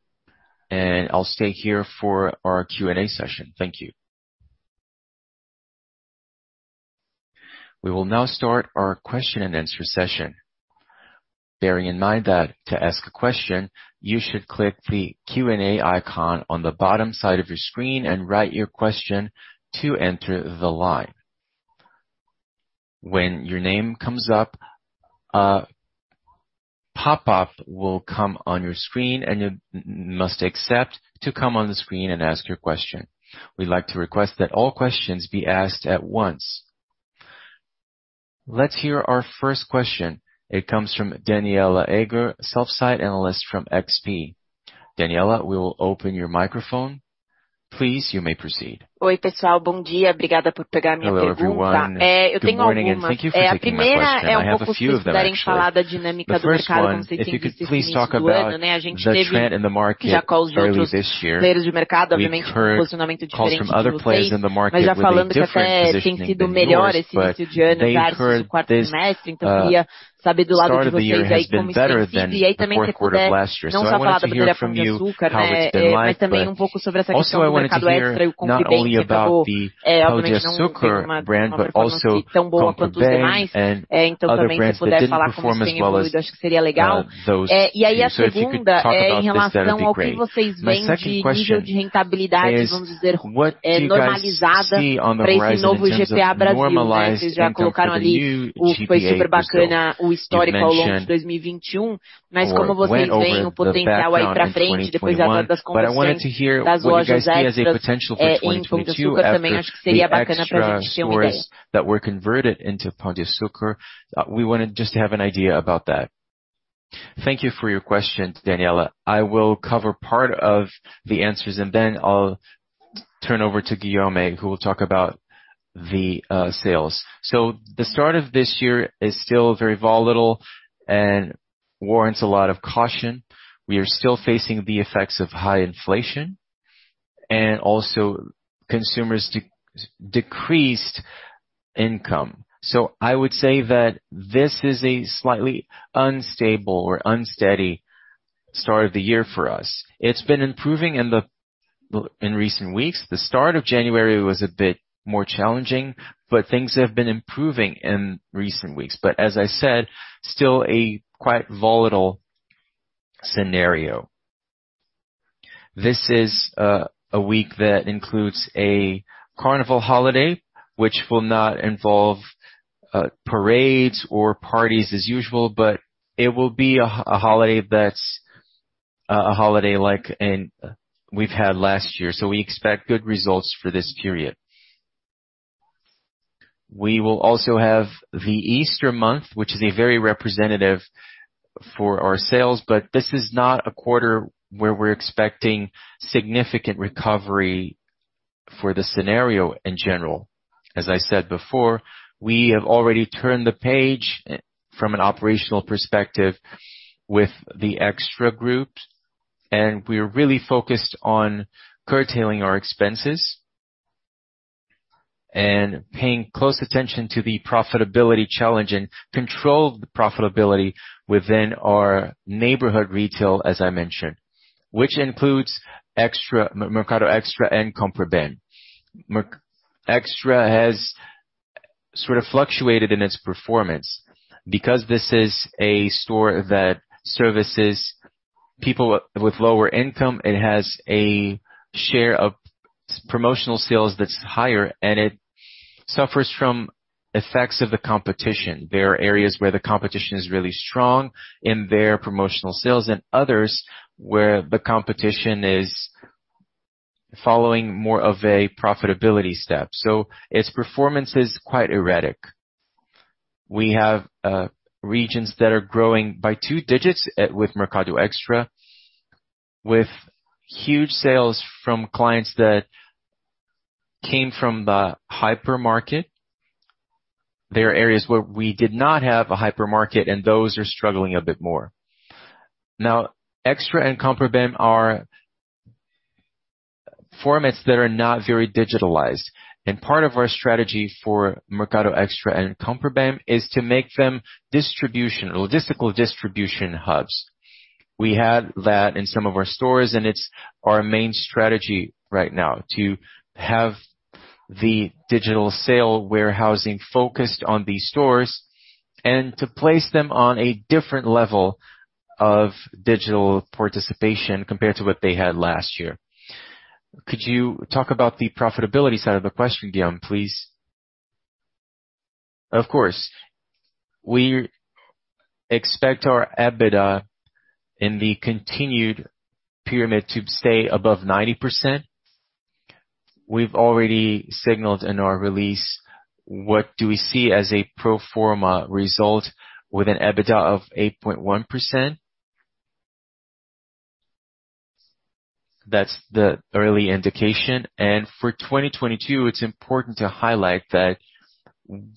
and I'll stay here for our Q&A session. Thank you. We will now start our question-and-answer session. Bearing in mind that to ask a question, you should click the Q&A icon on the bottom side of your screen and write your question to enter the line. When your name comes up, a pop-up will come on your screen, and you must accept to come on the screen and ask your question. We'd like to request that all questions be asked at once. Let's hear our first question. It comes from Danniela Eiger, sell-side analyst from XP. Danniela, we will open your microphone. Please, you may proceed. Hello, everyone. Good morning, and thank you for taking my question. I have a few of them, actually. The first one, if you could please talk about the trend in the market early this year. We've heard calls from other players in the market with a different positioning than yours, but they've heard this start of the year has been better than the fourth quarter of last year. I wanted to hear from you how it's been like. Also I wanted to hear not only about the Pão de Açúcar brand, but also Extra and other brands that didn't perform as well as those two. If you could talk about this, that'd be great. My second question is, what do you guys see on the horizon in terms of normalized income for the new GPA Brazil? You've mentioned or went over the background in 2021, but I wanted to hear what you guys see as a potential for 2022 after the Extra stores that were converted into Pão de Açúcar. We wanna just have an idea about that. Thank you for your question, Danniela. I will cover part of the answers, and then I'll turn over to Guillaume, who will talk about the sales. The start of this year is still very volatile and warrants a lot of caution. We are still facing the effects of high inflation and also consumers decreased income. I would say that this is a slightly unstable or unsteady start of the year for us. It's been improving in recent weeks. The start of January was a bit more challenging, but things have been improving in recent weeks. As I said, still a quite volatile scenario. This is a week that includes a carnival holiday, which will not involve parades or parties as usual, but it will be a holiday that's a holiday like we've had last year. We expect good results for this period. We will also have the Easter month, which is a very representative for our sales, but this is not a quarter where we're expecting significant recovery for the scenario in general. As I said before, we have already turned the page from an operational perspective with the Extra groups, and we're really focused on curtailing our expenses and paying close attention to the profitability challenge and control the profitability within our neighborhood retail, as I mentioned, which includes Extra, Mercado Extra and Compre Bem. Mercado Extra has sort of fluctuated in its performance. Because this is a store that services people with lower income, it has a share of promotional sales that's higher, and it suffers from effects of the competition. There are areas where the competition is really strong in their promotional sales and others, where the competition is following more of a profitability step. Its performance is quite erratic. We have regions that are growing by double digits with Mercado Extra, with huge sales from clients that came from the hypermarket. There are areas where we did not have a hypermarket, and those are struggling a bit more. Now, Extra and Compre Bem are formats that are not very digitalized. Part of our strategy for Mercado Extra and Compre Bem is to make them logistical distribution hubs. We had that in some of our stores, and it's our main strategy right now, to have the digital sale warehousing focused on these stores and to place them on a different level of digital participation compared to what they had last year. Could you talk about the profitability side of the question, Guillaume, please? Of course. We expect our EBITDA in the continuing operations to stay above 90%. We've already signaled in our release what we see as a pro forma result with an EBITDA of 8.1%. That's the early indication. For 2022, it's important to highlight that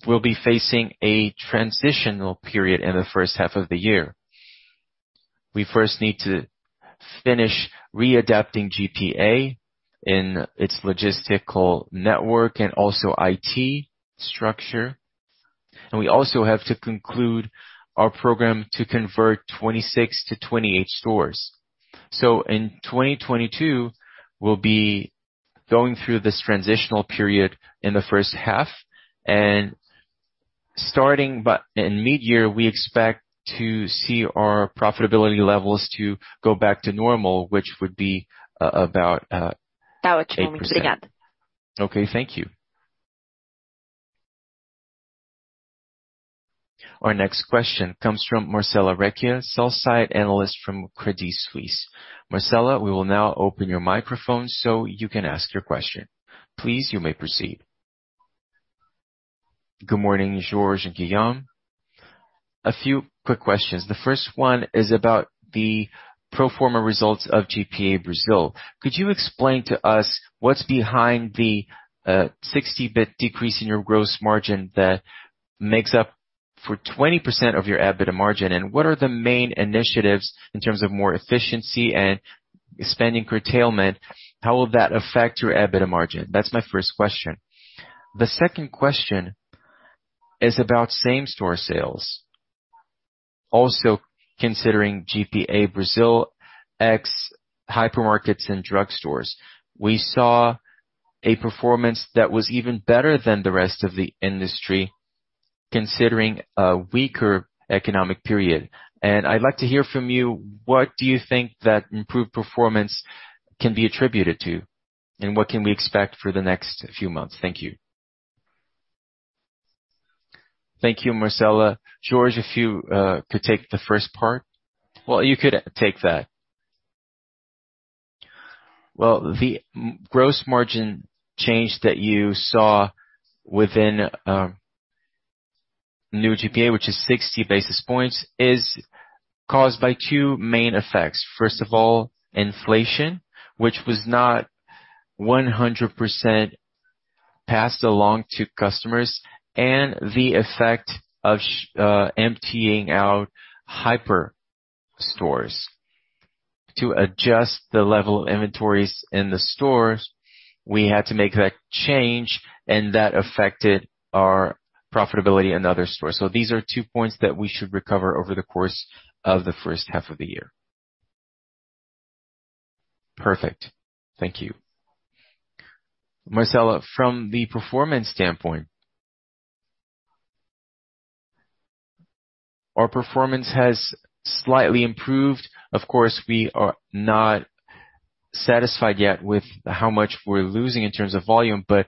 we'll be facing a transitional period in the first half of the year. We first need to finish readapting GPA in its logistical network and also IT structure. We also have to conclude our program to convert 26-28 stores. In 2022, we'll be going through this transitional period in the first half. In midyear, we expect to see our profitability levels go back to normal, which would be about 8%. Okay, thank you. Our next question comes from Marcella Recchia, sell-side analyst from Credit Suisse. Marcella, we will now open your microphone so you can ask your question. Please, you may proceed. Good morning, Jorge and Guillaume. A few quick questions. The first one is about the pro forma results of GPA Brazil. Could you explain to us what's behind the 60 basis point decrease in your gross margin that makes up for 20% of your EBITDA margin? And what are the main initiatives in terms of more efficiency and spending curtailment? How will that affect your EBITDA margin? That's my first question. The second question is about same-store sales, also considering GPA Brazil, ex hypermarkets and drugstores. We saw a performance that was even better than the rest of the industry, considering a weaker economic period. I'd like to hear from you, what do you think that improved performance can be attributed to, and what can we expect for the next few months? Thank you. Thank you, Marcella. Jorge, if you could take the first part. Well, you could take that. Well, the gross margin change that you saw within Novo GPA, which is 60 basis points, is caused by two main effects. First of all, inflation, which was not 100% passed along to customers, and the effect of emptying out hyper stores. To adjust the level of inventories in the stores, we had to make that change, and that affected our profitability in other stores. These are two points that we should recover over the course of the first half of the year. Perfect. Thank you. Marcella, from the performance standpoint, our performance has slightly improved. Of course, we are not satisfied yet with how much we're losing in terms of volume, but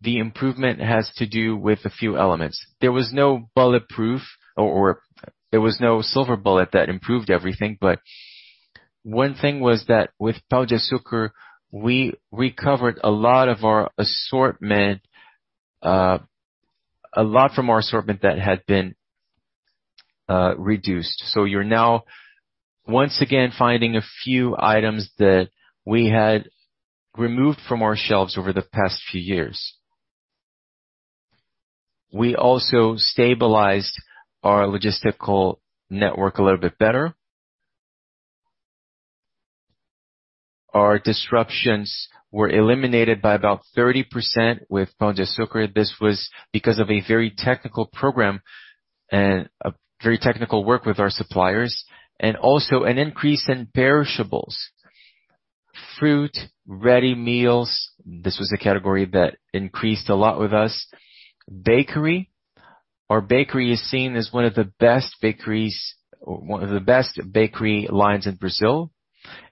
the improvement has to do with a few elements. There was no bulletproof or there was no silver bullet that improved everything. One thing was that with Pão de Açúcar, we recovered a lot of our assortment, a lot from our assortment that had been reduced. You're now once again finding a few items that we had removed from our shelves over the past few years. We also stabilized our logistical network a little bit better. Our disruptions were eliminated by about 30% with Pão de Açúcar. This was because of a very technical program and a very technical work with our suppliers, and also an increase in perishables. Fruit, ready meals. This was a category that increased a lot with us. Bakery. Our bakery is seen as one of the best bakeries, one of the best bakery lines in Brazil.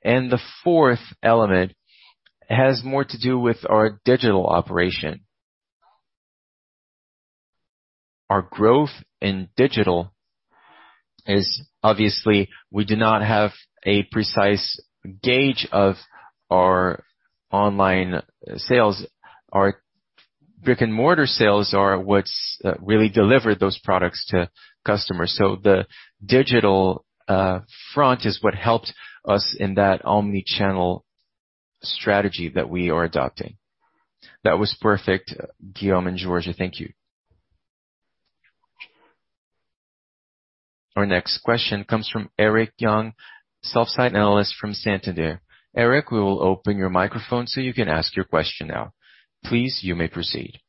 The fourth element has more to do with our digital operation. Our growth in digital is obviously we do not have a precise gauge of our online sales. Our brick-and-mortar sales are what's really delivered those products to customers. The digital front is what helped us in that omni-channel strategy that we are adopting. That was perfect, Guillaume and Jorge. Thank you. Our next question comes from Eric Huang, sell-side analyst from Santander. Eric, we will open your microphone so you can ask your question now. Please, you may proceed.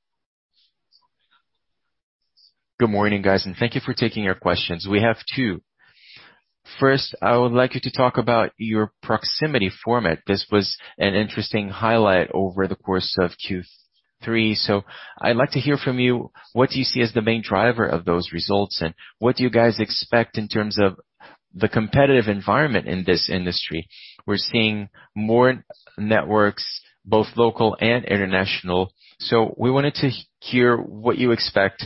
Good morning, guys, and thank you for taking our questions. We have two. First, I would like you to talk about your proximity format. This was an interesting highlight over the course of Q3. I'd like to hear from you what you see as the main driver of those results, and what do you guys expect in terms of the competitive environment in this industry? We're seeing more networks, both local and international, so we wanted to hear what you expect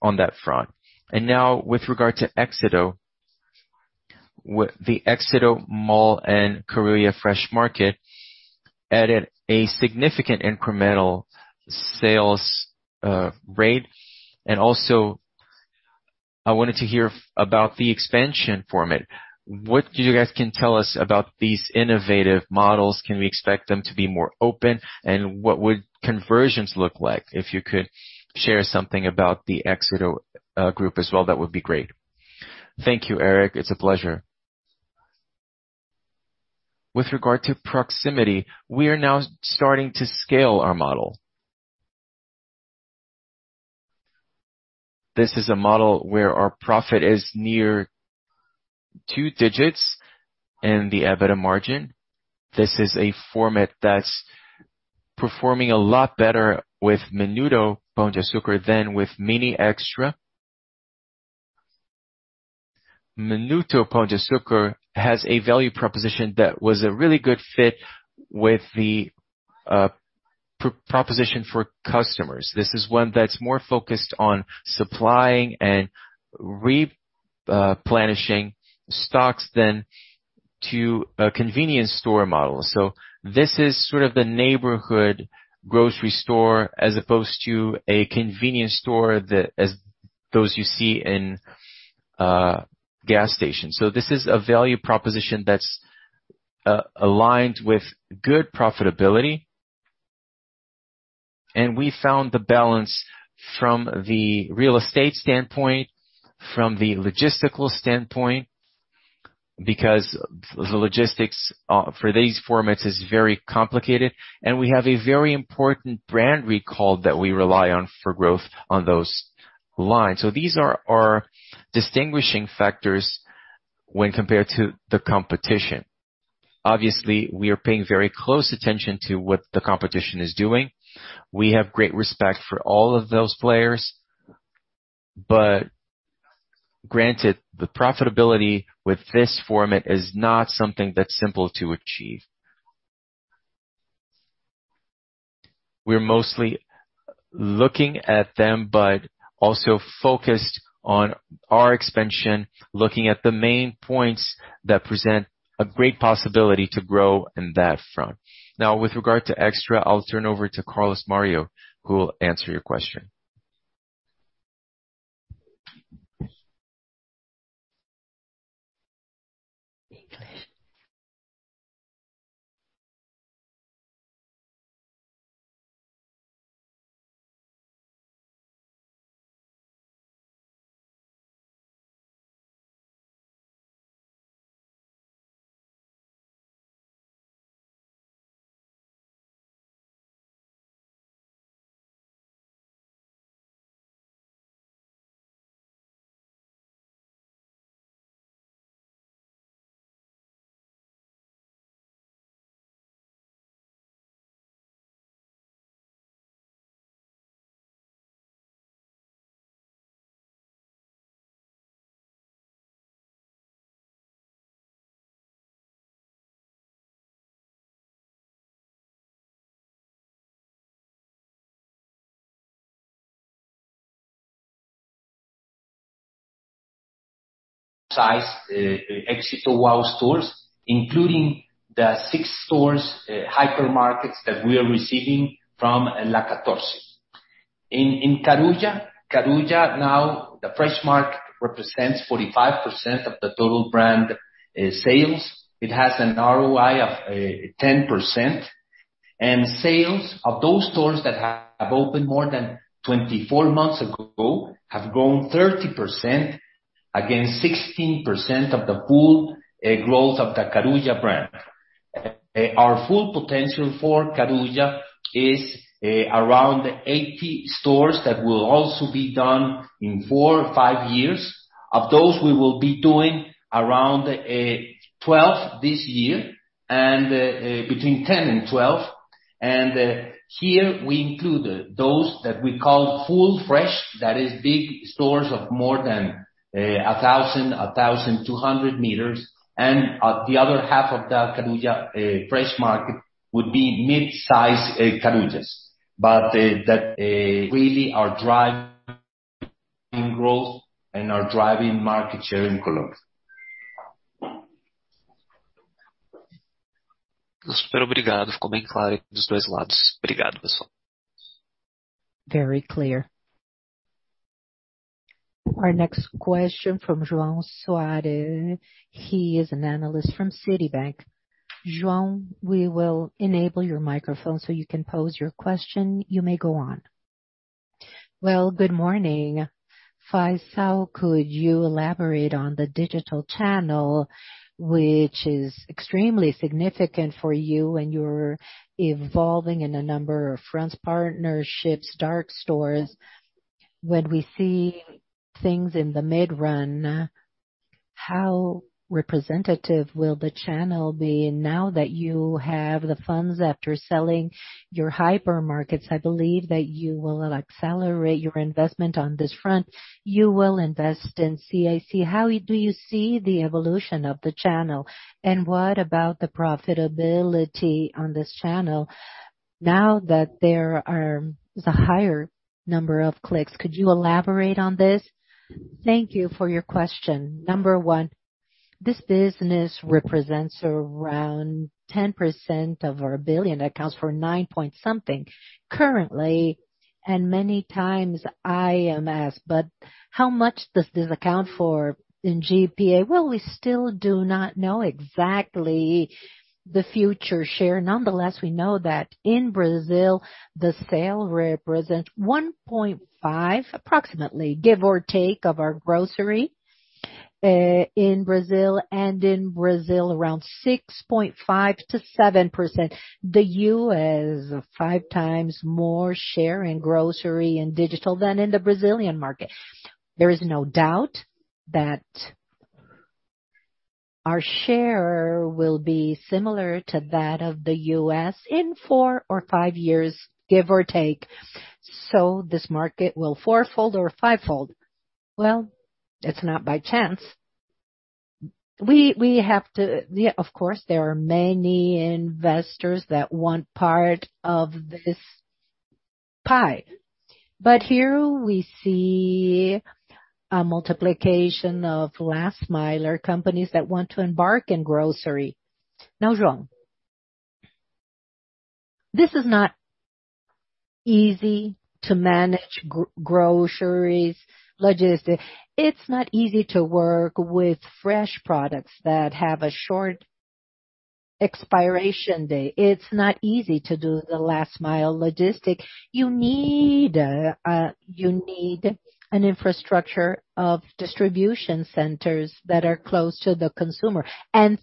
on that front. Now with regard to Éxito. The Éxito Mall and Carulla FreshMarket added a significant incremental sales rate. I wanted to hear about the expansion format. What you guys can tell us about these innovative models? Can we expect them to be more open? What would conversions look like? If you could share something about the Éxito group as well, that would be great. Thank you, Eric. It's a pleasure. With regard to proximity, we are now starting to scale our model. This is a model where our profit is near two digits in the EBITDA margin. This is a format that's performing a lot better with Minuto Pão de Açúcar than with Mini Extra. Minuto Pão de Açúcar has a value proposition that was a really good fit with the proposition for customers. This is one that's more focused on supplying and replenishing stocks than to a convenience store model. This is sort of the neighborhood grocery store as opposed to a convenience store that as those you see in gas stations. This is a value proposition that's aligned with good profitability. We found the balance from the real estate standpoint, from the logistical standpoint, because the logistics for these formats is very complicated, and we have a very important brand recall that we rely on for growth on those lines. These are our distinguishing factors when compared to the competition. Obviously, we are paying very close attention to what the competition is doing. We have great respect for all of those players. But granted, the profitability with this format is not something that's simple to achieve. We're mostly looking at them, but also focused on our expansion, looking at the main points that present a great possibility to grow in that front. Now, with regard to Extra, I'll turn over to Carlos Mario Giraldo, who will answer your question. In this size, Éxito WOW stores, including the six hypermarkets that we are receiving from La Catorce. In Carulla, now the FreshMarket represents 45% of the total brand sales. It has an ROI of 10%. Sales of those stores that have opened more than 24 months ago have grown 30% against 16% of the pool growth of the Carulla brand. Our full potential for Carulla is around 80 stores that will also be done in 4 years or 5 years. Of those, we will be doing around 12 this year and between 10 and 12. Here we include those that we call full fresh, that is big stores of more than 1,200 meters. The other half of the Carulla fresh market would be mid-size Carullas. That really are driving growth and are driving market share in Colombia. Very clear. Our next question from João Soares. He is an analyst from Citibank. João, we will enable your microphone so you can pose your question. You may go on. Well, good morning. Jorge Faical, how could you elaborate on the digital channel, which is extremely significant for you and you're evolving on a number of fronts: partnerships, dark stores. When we see things in the medium run, how representative will the channel be now that you have the funds after selling your hypermarkets? I believe that you will accelerate your investment on this front. You will invest in CIC. How do you see the evolution of the channel? And what about the profitability on this channel now that there are the higher number of clicks? Could you elaborate on this? Thank you for your question. Number one, this business represents around 10% of our billion. It accounts for 9-something currently. Many times I am asked, "But how much does this account for in GPA?" Well, we still do not know exactly the future share. Nonetheless, we know that in Brazil, the sale represents 1.5, approximately, give or take, of our grocery in Brazil, and in Brazil around 6.5%-7%. The U.S., five times more share in grocery and digital than in the Brazilian market. There is no doubt that our share will be similar to that of the U.S. in 4 years or 5 years, give or take. This market will 4-fold or 5-fold. Well, it's not by chance. Yeah, of course, there are many investors that want part of this pie. Here we see a multiplication of last-mile companies that want to embark in grocery. Now, João, this is not easy to manage groceries, logistics. It's not easy to work with fresh products that have a short expiration date. It's not easy to do the last mile logistics. You need an infrastructure of distribution centers that are close to the consumer.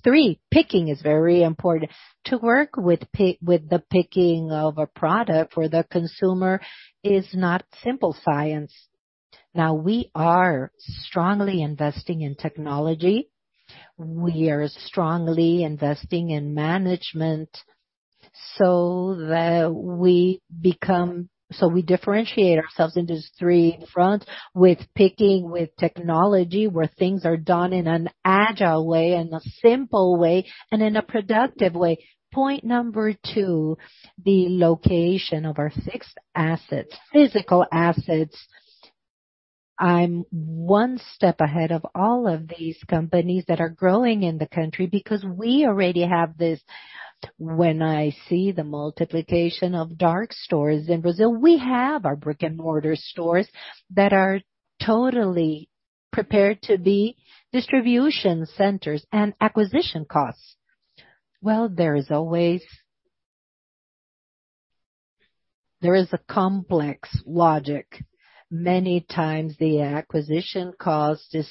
Three, picking is very important. To work with the picking of a product for the consumer is not simple science. Now, we are strongly investing in technology. We are strongly investing in management so that we differentiate ourselves in these three fronts with picking, with technology, where things are done in an agile way and a simple way, and in a productive way. Point number two, the location of our fixed assets, physical assets. I'm one step ahead of all of these companies that are growing in the country because we already have this. When I see the multiplication of dark stores in Brazil, we have our brick-and-mortar stores that are totally prepared to be distribution centers and acquisition costs. Well, there is always. There is a complex logic. Many times the acquisition cost is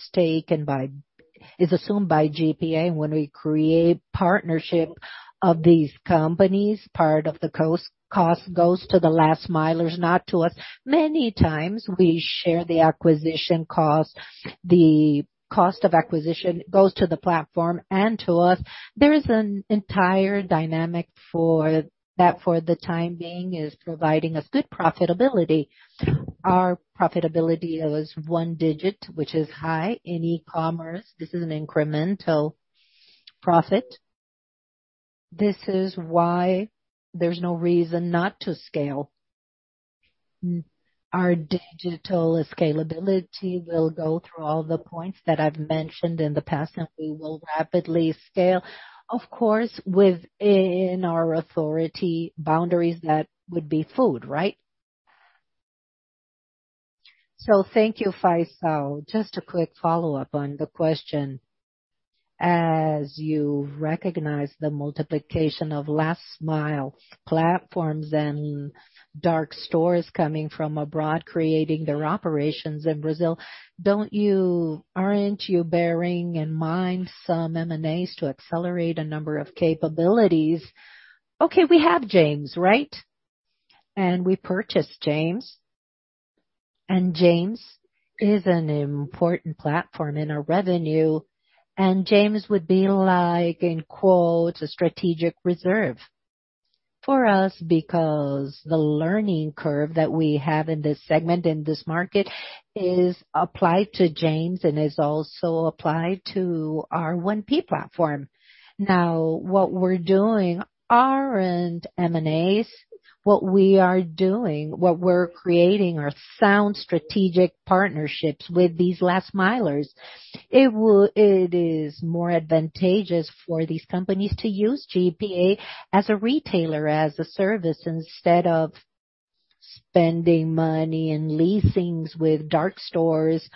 assumed by GPA when we create partnership of these companies. Part of the cost goes to the last milers, not to us. Many times we share the acquisition cost. The cost of acquisition goes to the platform and to us. There is an entire dynamic for that, for the time being, is providing us good profitability. Our profitability was one digit, which is high in e-commerce. This is an incremental profit. This is why there's no reason not to scale. Our digital scalability will go through all the points that I've mentioned in the past, and we will rapidly scale, of course, within our authority boundaries. That would be food, right? Thank you, Jorge Faical. Just a quick follow-up on the question. As you recognize the multiplication of last mile platforms and dark stores coming from abroad, creating their operations in Brazil, aren't you bearing in mind some M&As to accelerate a number of capabilities? Okay, we have James, right? We purchased James. James is an important platform in our revenue. James would be like in quotes, a strategic reserve for us, because the learning curve that we have in this segment, in this market, is applied to James and is also applied to our 1P platform. Now what we're doing aren't M&As. What we are doing, what we're creating are sound strategic partnerships with these last milers. It is more advantageous for these companies to use GPA as a retailer, as a service, instead of spending money and leasings with dark stores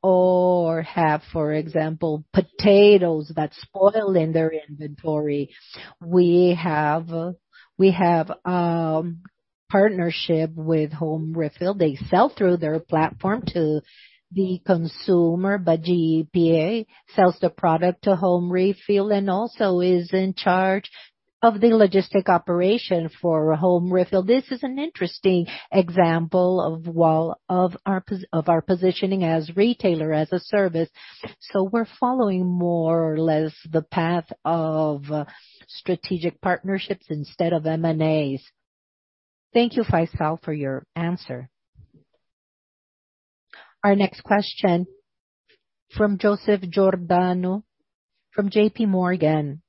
or have, for example, potatoes that spoil in their inventory. We have partnership with Omni Refill. They sell through their platform to the consumer, but GPA sells the product to Omni Refill and also is in charge of the logistic operation for Omni Refill. This is an interesting example of our positioning as retailer, as a service. We're following more or less the path of strategic partnerships instead of M&As. Thank you, Jorge Faical, for your answer. Our next question from Joseph Giordano from J.P. Morgan.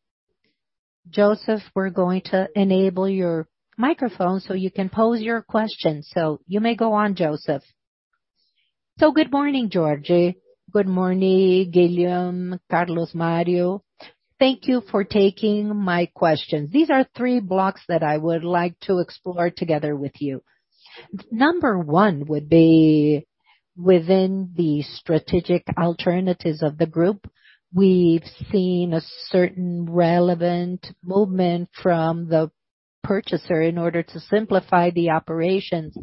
Joseph, we're going to enable your microphone so you can pose your question. You may go on, Joseph. Good morning, Jorge Faical. Good morning, Guillaume Gras, Carlos Mario Giraldo. Thank you for taking my question. These are three blocks that I would like to explore together with you. Number one would be within the strategic alternatives of the group. We've seen a certain relevant movement from the purchaser in order to simplify the operations.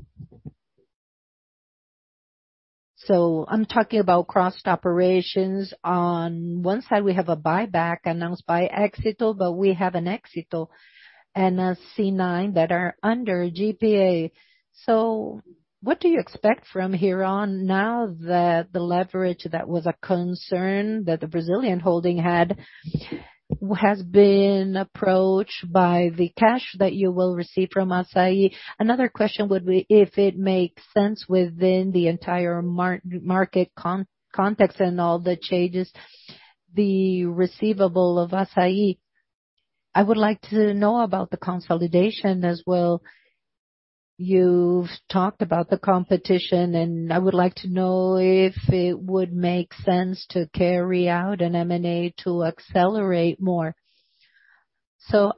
I'm talking about crossed operations. On one side we have a buyback announced by Éxito, but we have an Éxito and a Cnova that are under GPA. What do you expect from here on now that the leverage that was a concern that the Brazilian holding had has been approached by the cash that you will receive from Assaí? Another question would be if it makes sense within the entire market context and all the changes the receivable of Assaí. I would like to know about the consolidation as well. You've talked about the competition, and I would like to know if it would make sense to carry out an M&A to accelerate more.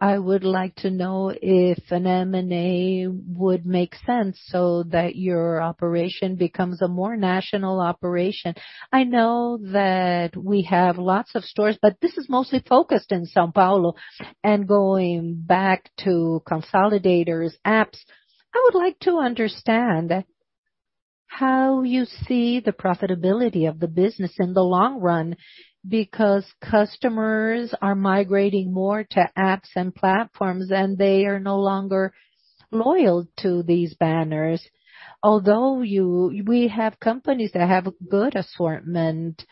I would like to know if an M&A would make sense so that your operation becomes a more national operation. I know that we have lots of stores, but this is mostly focused in São Paulo. Going back to consolidator apps, I would like to understand how you see the profitability of the business in the long run, because customers are migrating more to apps and platforms and they are no longer loyal to these banners. Although we have companies that have good assortment,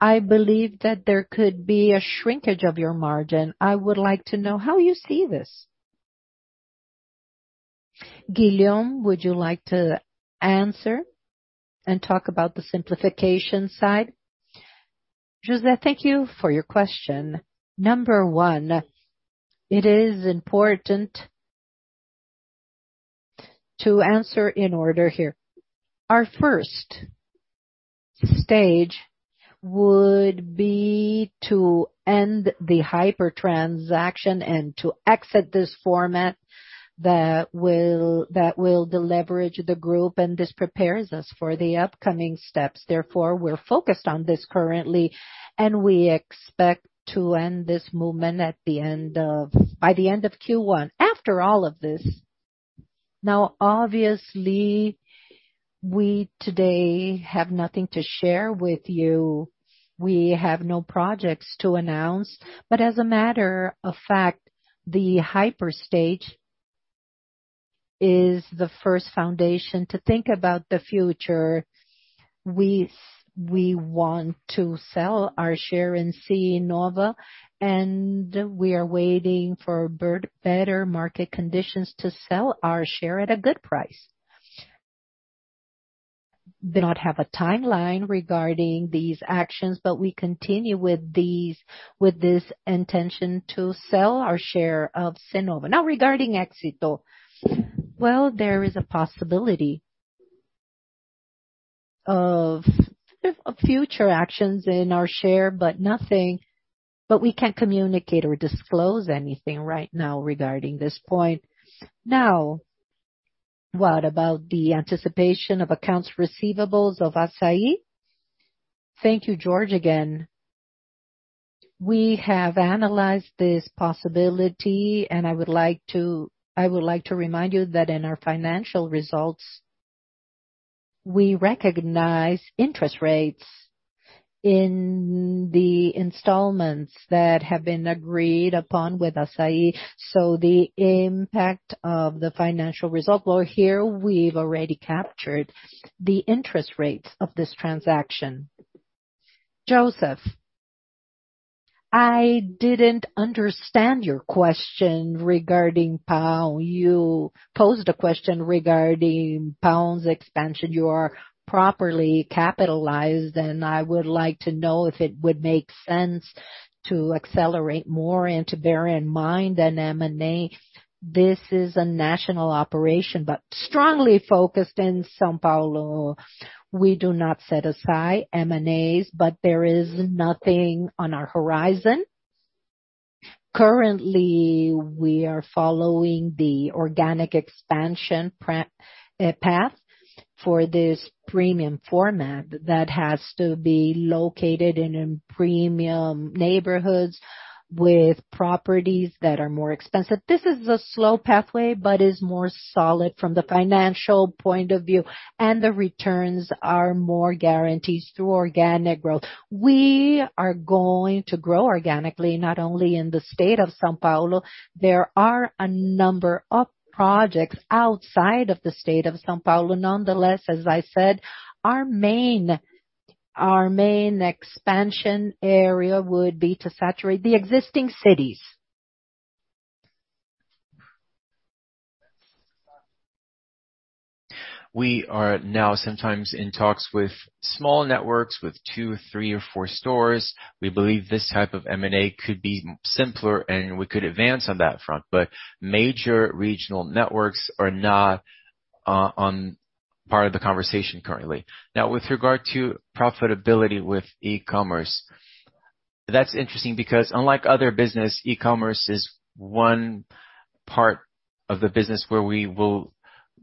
I believe that there could be a shrinkage of your margin. I would like to know how you see this. Guillaume, would you like to answer and talk about the simplification side? Joseph, thank you for your question. Number one, it is important to answer in order here. Our first stage would be to end the hyper transaction and to exit this format that will deleverage the group, and this prepares us for the upcoming steps. Therefore, we're focused on this currently, and we expect to end this movement by the end of Q1. After all of this, now obviously, we, today, have nothing to share with you. We have no projects to announce, but as a matter of fact, the hyper stage is the first foundation to think about the future. We want to sell our share in Cnova, and we are waiting for better market conditions to sell our share at a good price. We do not have a timeline regarding these actions, but we continue with this intention to sell our share of Cnova. Now, regarding Éxito. Well, there is a possibility of future actions in our share, but nothing. We can't communicate or disclose anything right now regarding this point. Now, what about the anticipation of accounts receivables of Assaí? Thank you, Jorge, again. We have analyzed this possibility, and I would like to remind you that in our financial results, we recognize interest rates in the installments that have been agreed upon with Assaí. So the impact of the financial result, well, here we've already captured the interest rates of this transaction. Joseph, I didn't understand your question regarding Pão de Açúcar. You posed a question regarding Pão de Açúcar's expansion. You are properly capitalized, and I would like to know if it would make sense to accelerate more and to bear in mind an M&A. This is a national operation, but strongly focused in São Paulo. We do not set aside M&As, but there is nothing on our horizon. Currently, we are following the organic expansion path for this premium format that has to be located in premium neighborhoods with properties that are more expensive. This is a slow pathway, but is more solid from the financial point of view, and the returns are more guaranteed through organic growth. We are going to grow organically, not only in the state of São Paulo. There are a number of projects outside of the state of São Paulo. Nonetheless, as I said, our main expansion area would be to saturate the existing cities. We are now sometimes in talks with small networks with 2 stores, 3 stores or 4 stores. We believe this type of M&A could be simpler and we could advance on that front. Major regional networks are not a part of the conversation currently. Now, with regard to profitability with e-commerce, that's interesting because unlike other business, e-commerce is one part of the business where we will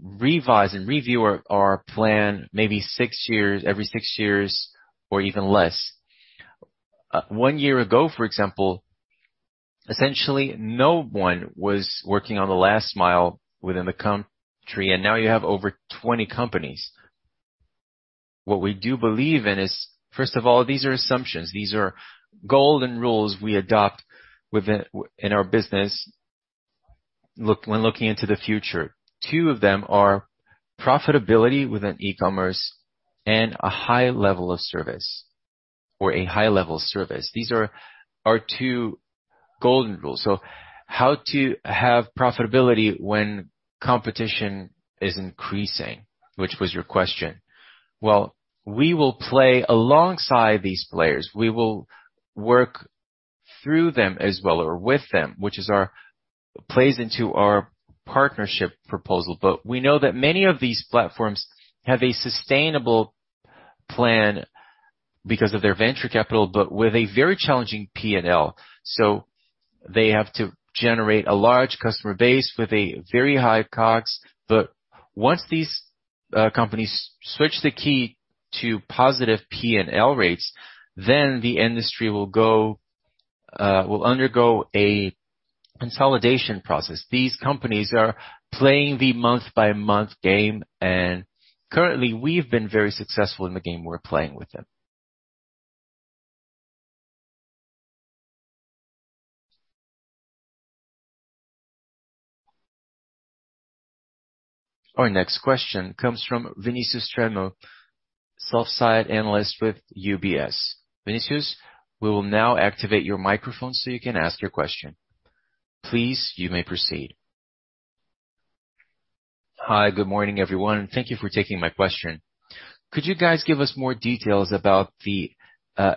revise and review our plan maybe every 6 years or even less. One year ago, for example, essentially, no one was working on the last mile within the country, and now you have over 20 companies. What we do believe in is, first of all, these are assumptions. These are golden rules we adopt within our business when looking into the future. Two of them are profitability within e-commerce and a high level of service, or a high-level service. These are our two golden rules. How to have profitability when competition is increasing, which was your question. Well, we will play alongside these players. We will work through them as well or with them, which plays into our partnership proposal. We know that many of these platforms have a sustainable plan because of their venture capital, but with a very challenging P&L. They have to generate a large customer base with a very high cost. Once these companies switch the key to positive P&L rates, then the industry will undergo a consolidation process. These companies are playing the month-by-month game, and currently we've been very successful in the game we're playing with them. Our next question comes from Vinicius Strano, sell-side analyst with UBS. Vinicius, we will now activate your microphone so you can ask your question. Please, you may proceed. Hi. Good morning, everyone, and thank you for taking my question. Could you guys give us more details about the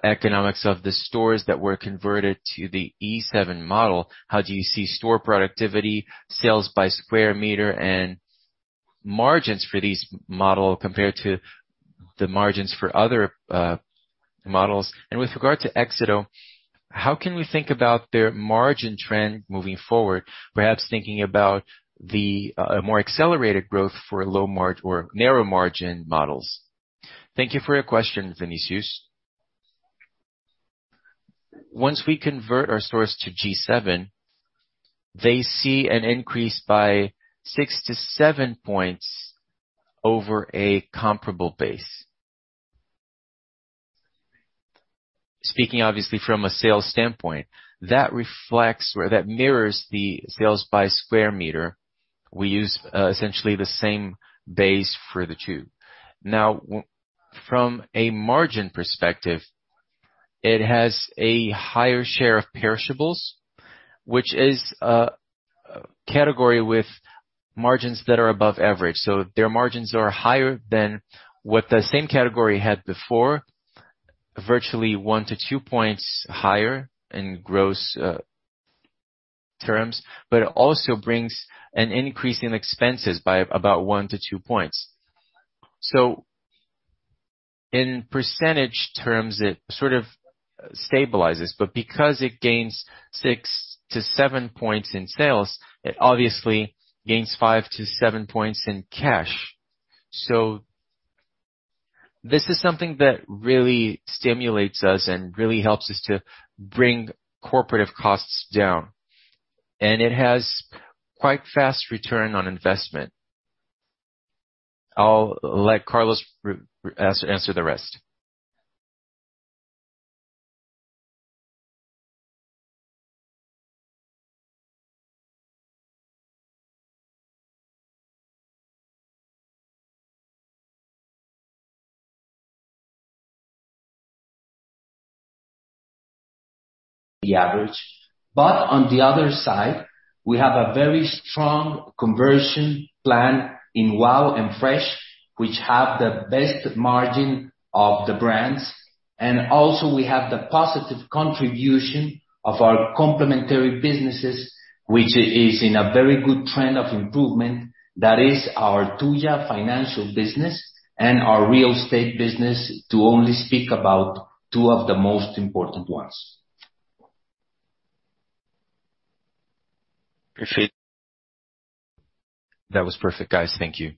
economics of the stores that were converted to the G7 model? How do you see store productivity, sales by square meter and margins for these model compared to the margins for other models? And with regard to Éxito, how can we think about their margin trend moving forward, perhaps thinking about the more accelerated growth for narrow margin models? Thank you for your question, Vinicius. Once we convert our stores to G7, they see an increase by 6 points-7 points over a comparable base. Speaking obviously from a sales standpoint, that reflects or that mirrors the sales by square meter. We use essentially the same base for the two. Now, from a margin perspective, it has a higher share of perishables, which is a category with margins that are above average. Their margins are higher than what the same category had before, virtually 1 point-2 points higher in gross terms, but it also brings an increase in expenses by about 1 point-2 points. In percentage terms, it sort of stabilizes, but because it gains 6 points-7 points in sales, it obviously gains 5 points-7 points in cash. This is something that really stimulates us and really helps us to bring corporate costs down. It has quite fast return on investment. I'll let Carlos answer the rest. The average. On the other side, we have a very strong conversion plan in WOW and Fresh, which have the best margin of the brands. Also we have the positive contribution of our complementary businesses, which is in a very good trend of improvement. That is our Tuya Financial business and our real estate business to only speak about two of the most important ones. Perfect. That was perfect, guys. Thank you.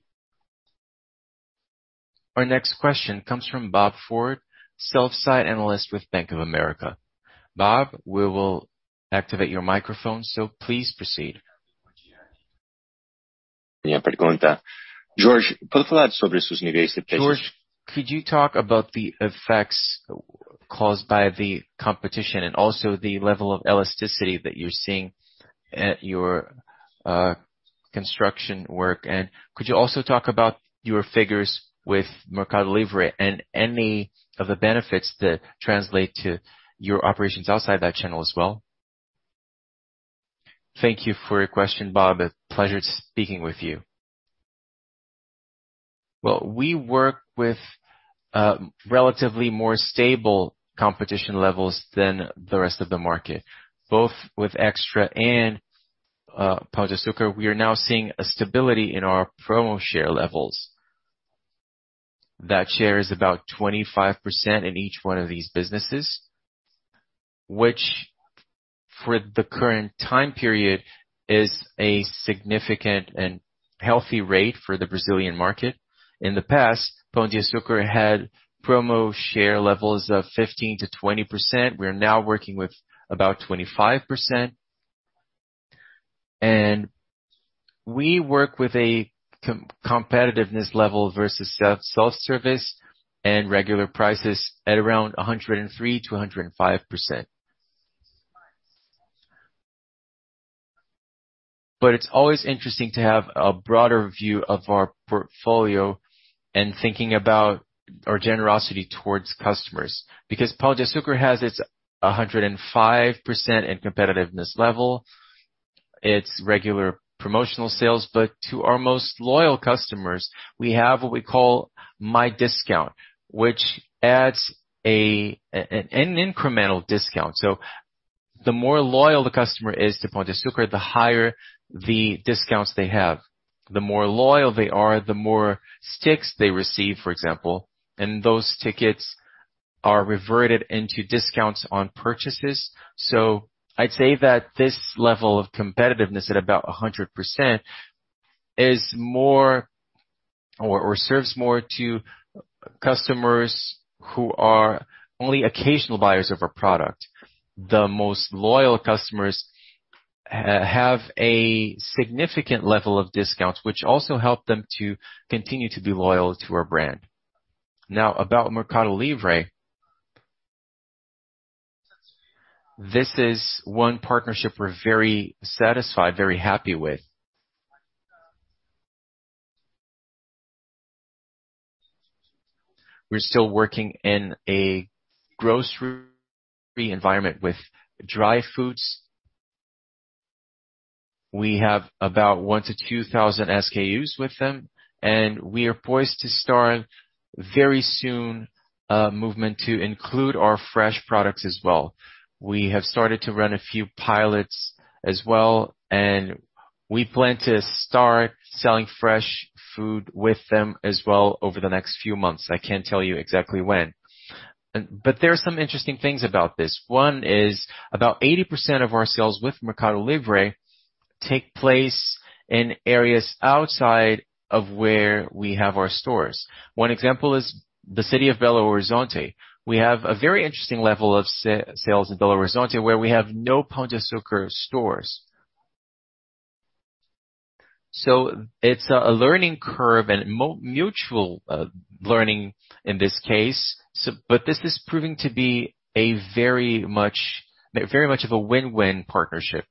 Our next question comes from Bob Ford, sell-side analyst with Bank of America. Bob, we will activate your microphone, so please proceed. Jorge, could you talk about the effects caused by the competition and also the level of elasticity that you're seeing at your construction work? And could you also talk about your figures with Mercado Libre and any of the benefits that translate to your operations outside that channel as well? Thank you for your question, Bob. A pleasure to speaking with you. Well, we work with relatively more stable competition levels than the rest of the market, both with Extra and Pão de Açúcar. We are now seeing a stability in our promo share levels. That share is about 25% in each one of these businesses, which for the current time period is a significant and healthy rate for the Brazilian market. In the past, Pão de Açúcar had promo share levels of 15%-20%. We're now working with about 25%. We work with a competitiveness level versus self-service and regular prices at around 103%-105%. But it's always interesting to have a broader view of our portfolio and thinking about our generosity towards customers. Because Pão de Açúcar has its 105% in competitiveness level, its regular promotional sales. But to our most loyal customers, we have what we call My Discount, which adds an incremental discount. The more loyal the customer is to Pão de Açúcar, the higher the discounts they have. The more loyal they are, the more Stix they receive, for example, and those tickets are converted into discounts on purchases. I'd say that this level of competitiveness at about 100% is more or serves more to customers who are only occasional buyers of our product. The most loyal customers have a significant level of discounts, which also help them to continue to be loyal to our brand. Now, about Mercado Libre. This is one partnership we're very satisfied, very happy with. We're still working in a grocery environment with dry foods. We have about 1-2,000 SKUs with them, and we are poised to start very soon a movement to include our fresh products as well. We have started to run a few pilots as well, and we plan to start selling fresh food with them as well over the next few months. I can't tell you exactly when. There are some interesting things about this. One is about 80% of our sales with Mercado Libre take place in areas outside of where we have our stores. One example is the city of Belo Horizonte. We have a very interesting level of sales in Belo Horizonte, where we have no Pão de Açúcar stores. It's a learning curve and mutual learning in this case, this is proving to be a very much of a win-win partnership.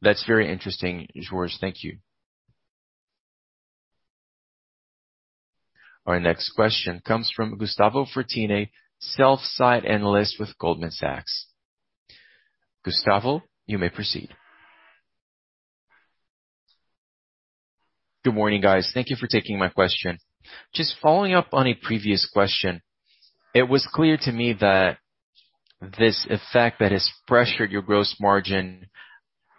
That's very interesting, Jorge. Thank you. Our next question comes from Gustavo Fratini, sell-side analyst with Goldman Sachs. Gustavo, you may proceed. Good morning, guys. Thank you for taking my question. Just following up on a previous question, it was clear to me that this effect that has pressured your gross margin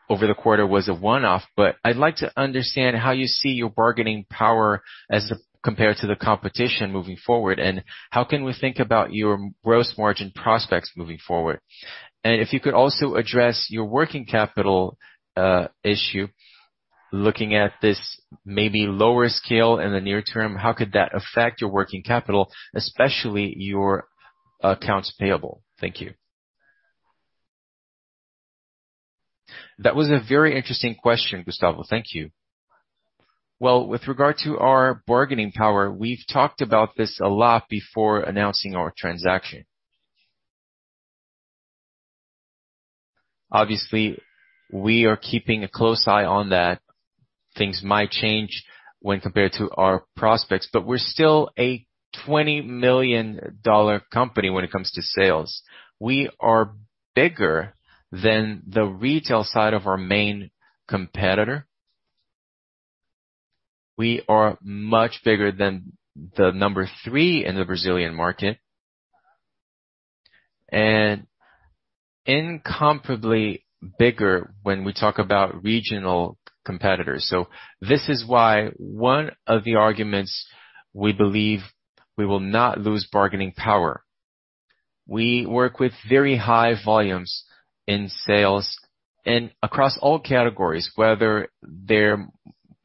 over the quarter was a one-off. I'd like to understand how you see your bargaining power as compared to the competition moving forward, and how can we think about your gross margin prospects moving forward? And if you could also address your working capital issue, looking at this maybe lower scale in the near term, how could that affect your working capital, especially your accounts payable? Thank you. That was a very interesting question, Gustavo. Thank you. Well, with regard to our bargaining power, we've talked about this a lot before announcing our transaction. Obviously, we are keeping a close eye on that. Things might change when compared to our prospects, but we're still a $20 million company when it comes to sales. We are bigger than the retail side of our main competitor. We are much bigger than the number three in the Brazilian market, and incomparably bigger when we talk about regional competitors. This is why one of the arguments we believe we will not lose bargaining power. We work with very high volumes in sales and across all categories,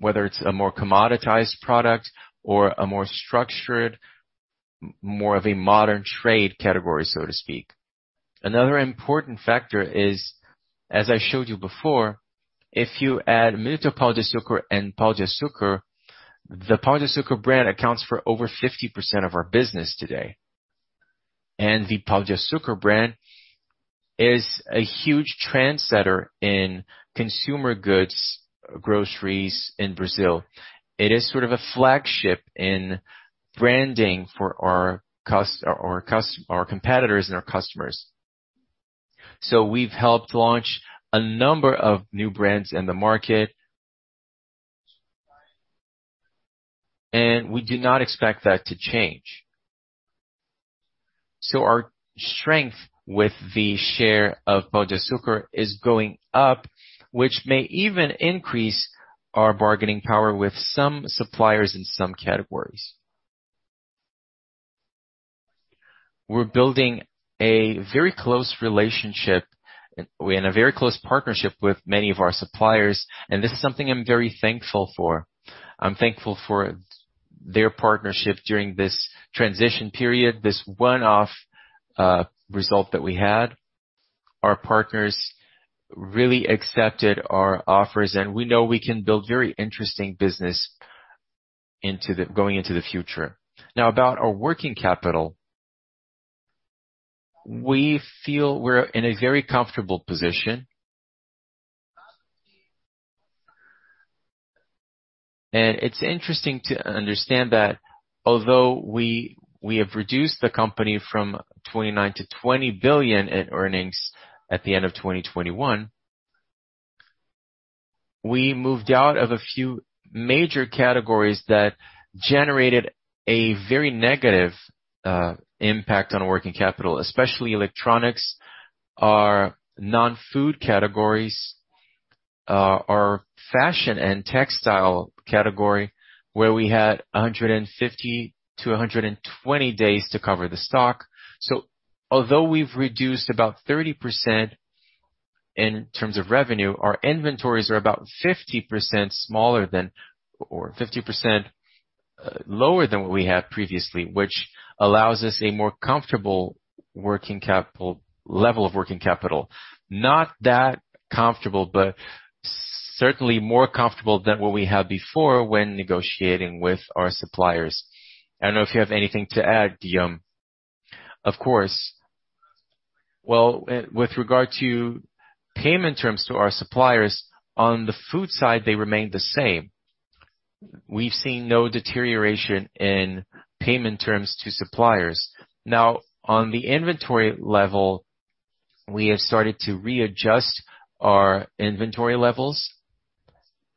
whether it's a more commoditized product or a more structured, more of a modern trade category, so to speak. Another important factor is, as I showed you before, if you add Minuto Pão de Açúcar and Pão de Açúcar, the Pão de Açúcar brand accounts for over 50% of our business today. The Pão de Açúcar brand is a huge trendsetter in consumer goods, groceries in Brazil. It is sort of a flagship in branding for our competitors and our customers. We've helped launch a number of new brands in the market. We do not expect that to change. Our strength with the share of Pão de Açúcar is going up, which may even increase our bargaining power with some suppliers in some categories. We're building a very close relationship and a very close partnership with many of our suppliers, and this is something I'm very thankful for. I'm thankful for their partnership during this transition period, this one-off result that we had. Our partners really accepted our offers, and we know we can build very interesting business going into the future. Now, about our working capital. We feel we're in a very comfortable position. It's interesting to understand that although we have reduced the company from 29 billion to 20 billion in earnings at the end of 2021, we moved out of a few major categories that generated a very negative impact on working capital, especially electronics, our non-food categories, our fashion and textile category, where we had 150 days-120 days to cover the stock. Although we've reduced about 30% in terms of revenue, our inventories are about 50% smaller or 50% lower than what we had previously, which allows us a more comfortable level of working capital. Not that comfortable, but certainly more comfortable than what we had before when negotiating with our suppliers. I don't know if you have anything to add, Guillaume. Of course. Well, with regard to payment terms to our suppliers, on the food side, they remain the same. We've seen no deterioration in payment terms to suppliers. Now, on the inventory level, we have started to readjust our inventory levels,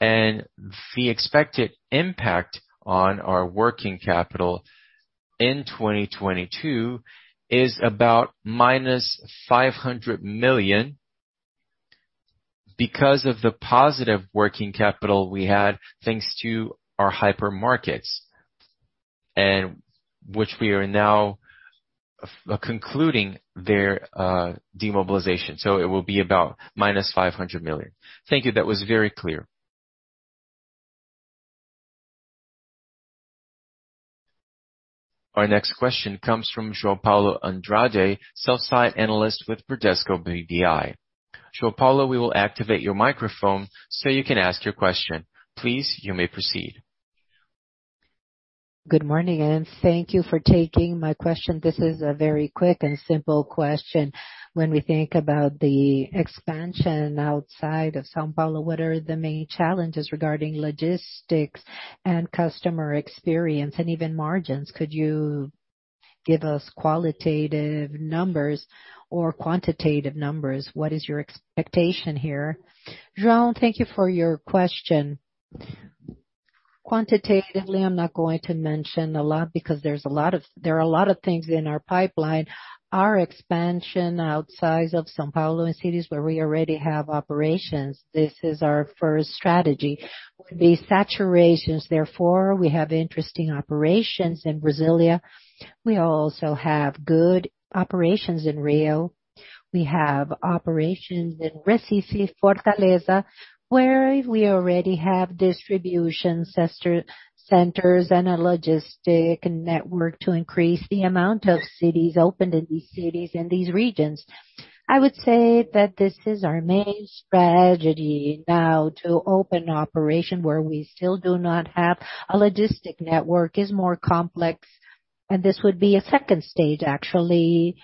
and the expected impact on our working capital in 2022 is about -500 million because of the positive working capital we had, thanks to our hypermarkets which we are now concluding their demobilization. It will be about -500 million. Thank you. That was very clear. Our next question comes from João Paulo Andrade, sell-side analyst with Bradesco BBI. João Paulo, we will activate your microphone so you can ask your question. Please, you may proceed. Good morning, and thank you for taking my question. This is a very quick and simple question. When we think about the expansion outside of São Paulo, what are the main challenges regarding logistics and customer experience and even margins? Could you give us qualitative numbers or quantitative numbers? What is your expectation here? João, thank you for your question. Quantitatively, I'm not going to mention a lot because there are a lot of things in our pipeline. Our expansion outside of São Paulo in cities where we already have operations, this is our first strategy. The situations, therefore, we have interesting operations in Brasília. We also have good operations in Rio. We have operations in Recife, Fortaleza, where we already have distribution centers and a logistics network to increase the amount of cities opened in these cities and these regions. I would say that this is our main strategy now to open operation where we still do not have. A logistic network is more complex, and this would be a second stage, actually,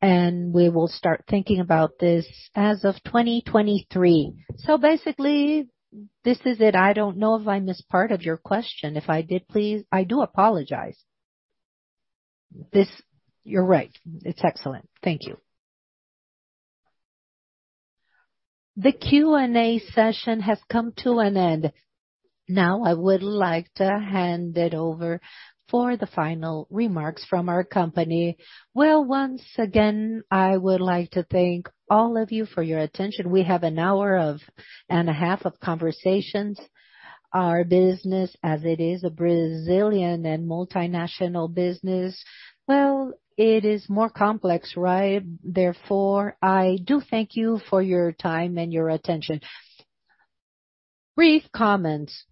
and we will start thinking about this as of 2023. Basically this is it. I don't know if I missed part of your question. If I did, please. I do apologize. You're right. It's excellent. Thank you. The Q&A session has come to an end. Now, I would like to hand it over for the final remarks from our company. Well, once again, I would like to thank all of you for your attention. We have an hour and a half of conversations. Our business as it is, a Brazilian and multinational business, well, it is more complex, right? Therefore, I do thank you for your time and your attention. Brief comments.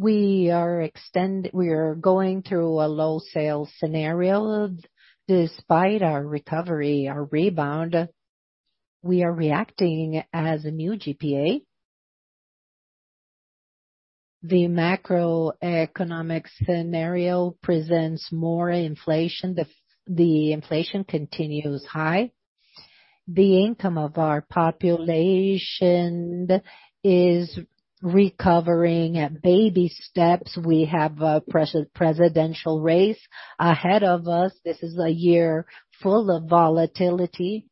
We are going through a low sales scenario despite our recovery, our rebound. We are reacting as a new GPA. The macroeconomic scenario presents more inflation. The inflation continues high. The income of our population is recovering at baby steps. We have a presidential race ahead of us. This is a year full of volatility.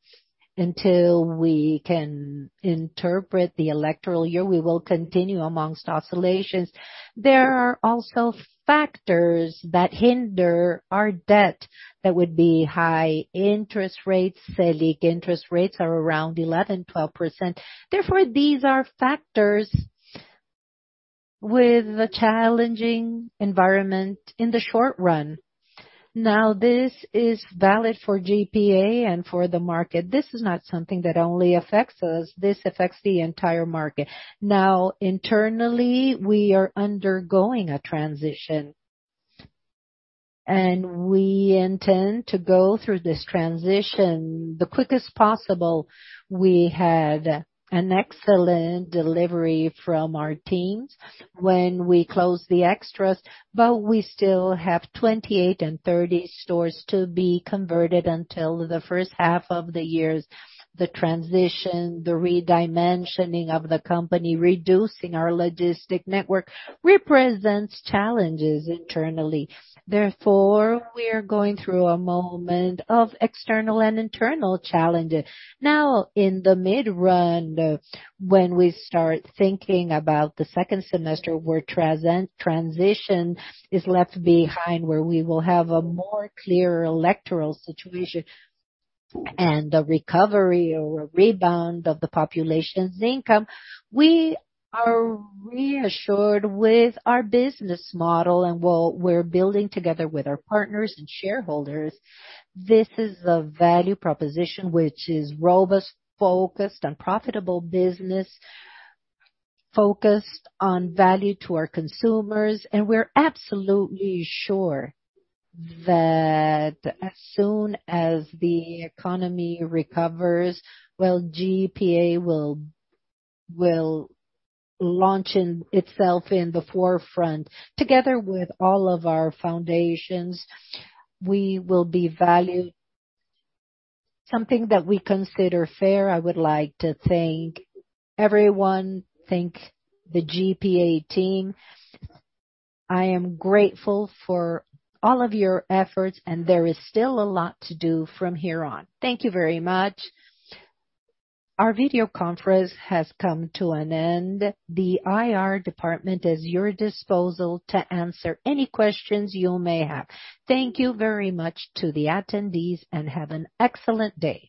Until we can interpret the electoral year, we will continue among oscillations. There are also factors that hinder our debt. That would be high interest rates. Selic interest rates are around 11%-12%. Therefore, these are factors with a challenging environment in the short run. Now, this is valid for GPA and for the market. This is not something that only affects us. This affects the entire market. Now, internally, we are undergoing a transition. We intend to go through this transition the quickest possible. We had an excellent delivery from our teams when we closed the Extras, but we still have 28-30 stores to be converted until the first half of the year. The transition, the re-dimensioning of the company, reducing our logistic network represents challenges internally. Therefore, we are going through a moment of external and internal challenges. Now, in the mid run, when we start thinking about the second semester where transition is left behind, where we will have a more clear electoral situation and a recovery or a rebound of the population's income, we are reassured with our business model and what we're building together with our partners and shareholders. This is a value proposition which is robust, focused on profitable business, focused on value to our consumers. We're absolutely sure that as soon as the economy recovers, well, GPA will launch itself in the forefront. Together with all of our foundations, we will be valued. Something that we consider fair. I would like to thank everyone, thank the GPA team. I am grateful for all of your efforts, and there is still a lot to do from here on. Thank you very much. Our video conference has come to an end. The IR department is at your disposal to answer any questions you may have. Thank you very much to the attendees, and have an excellent day.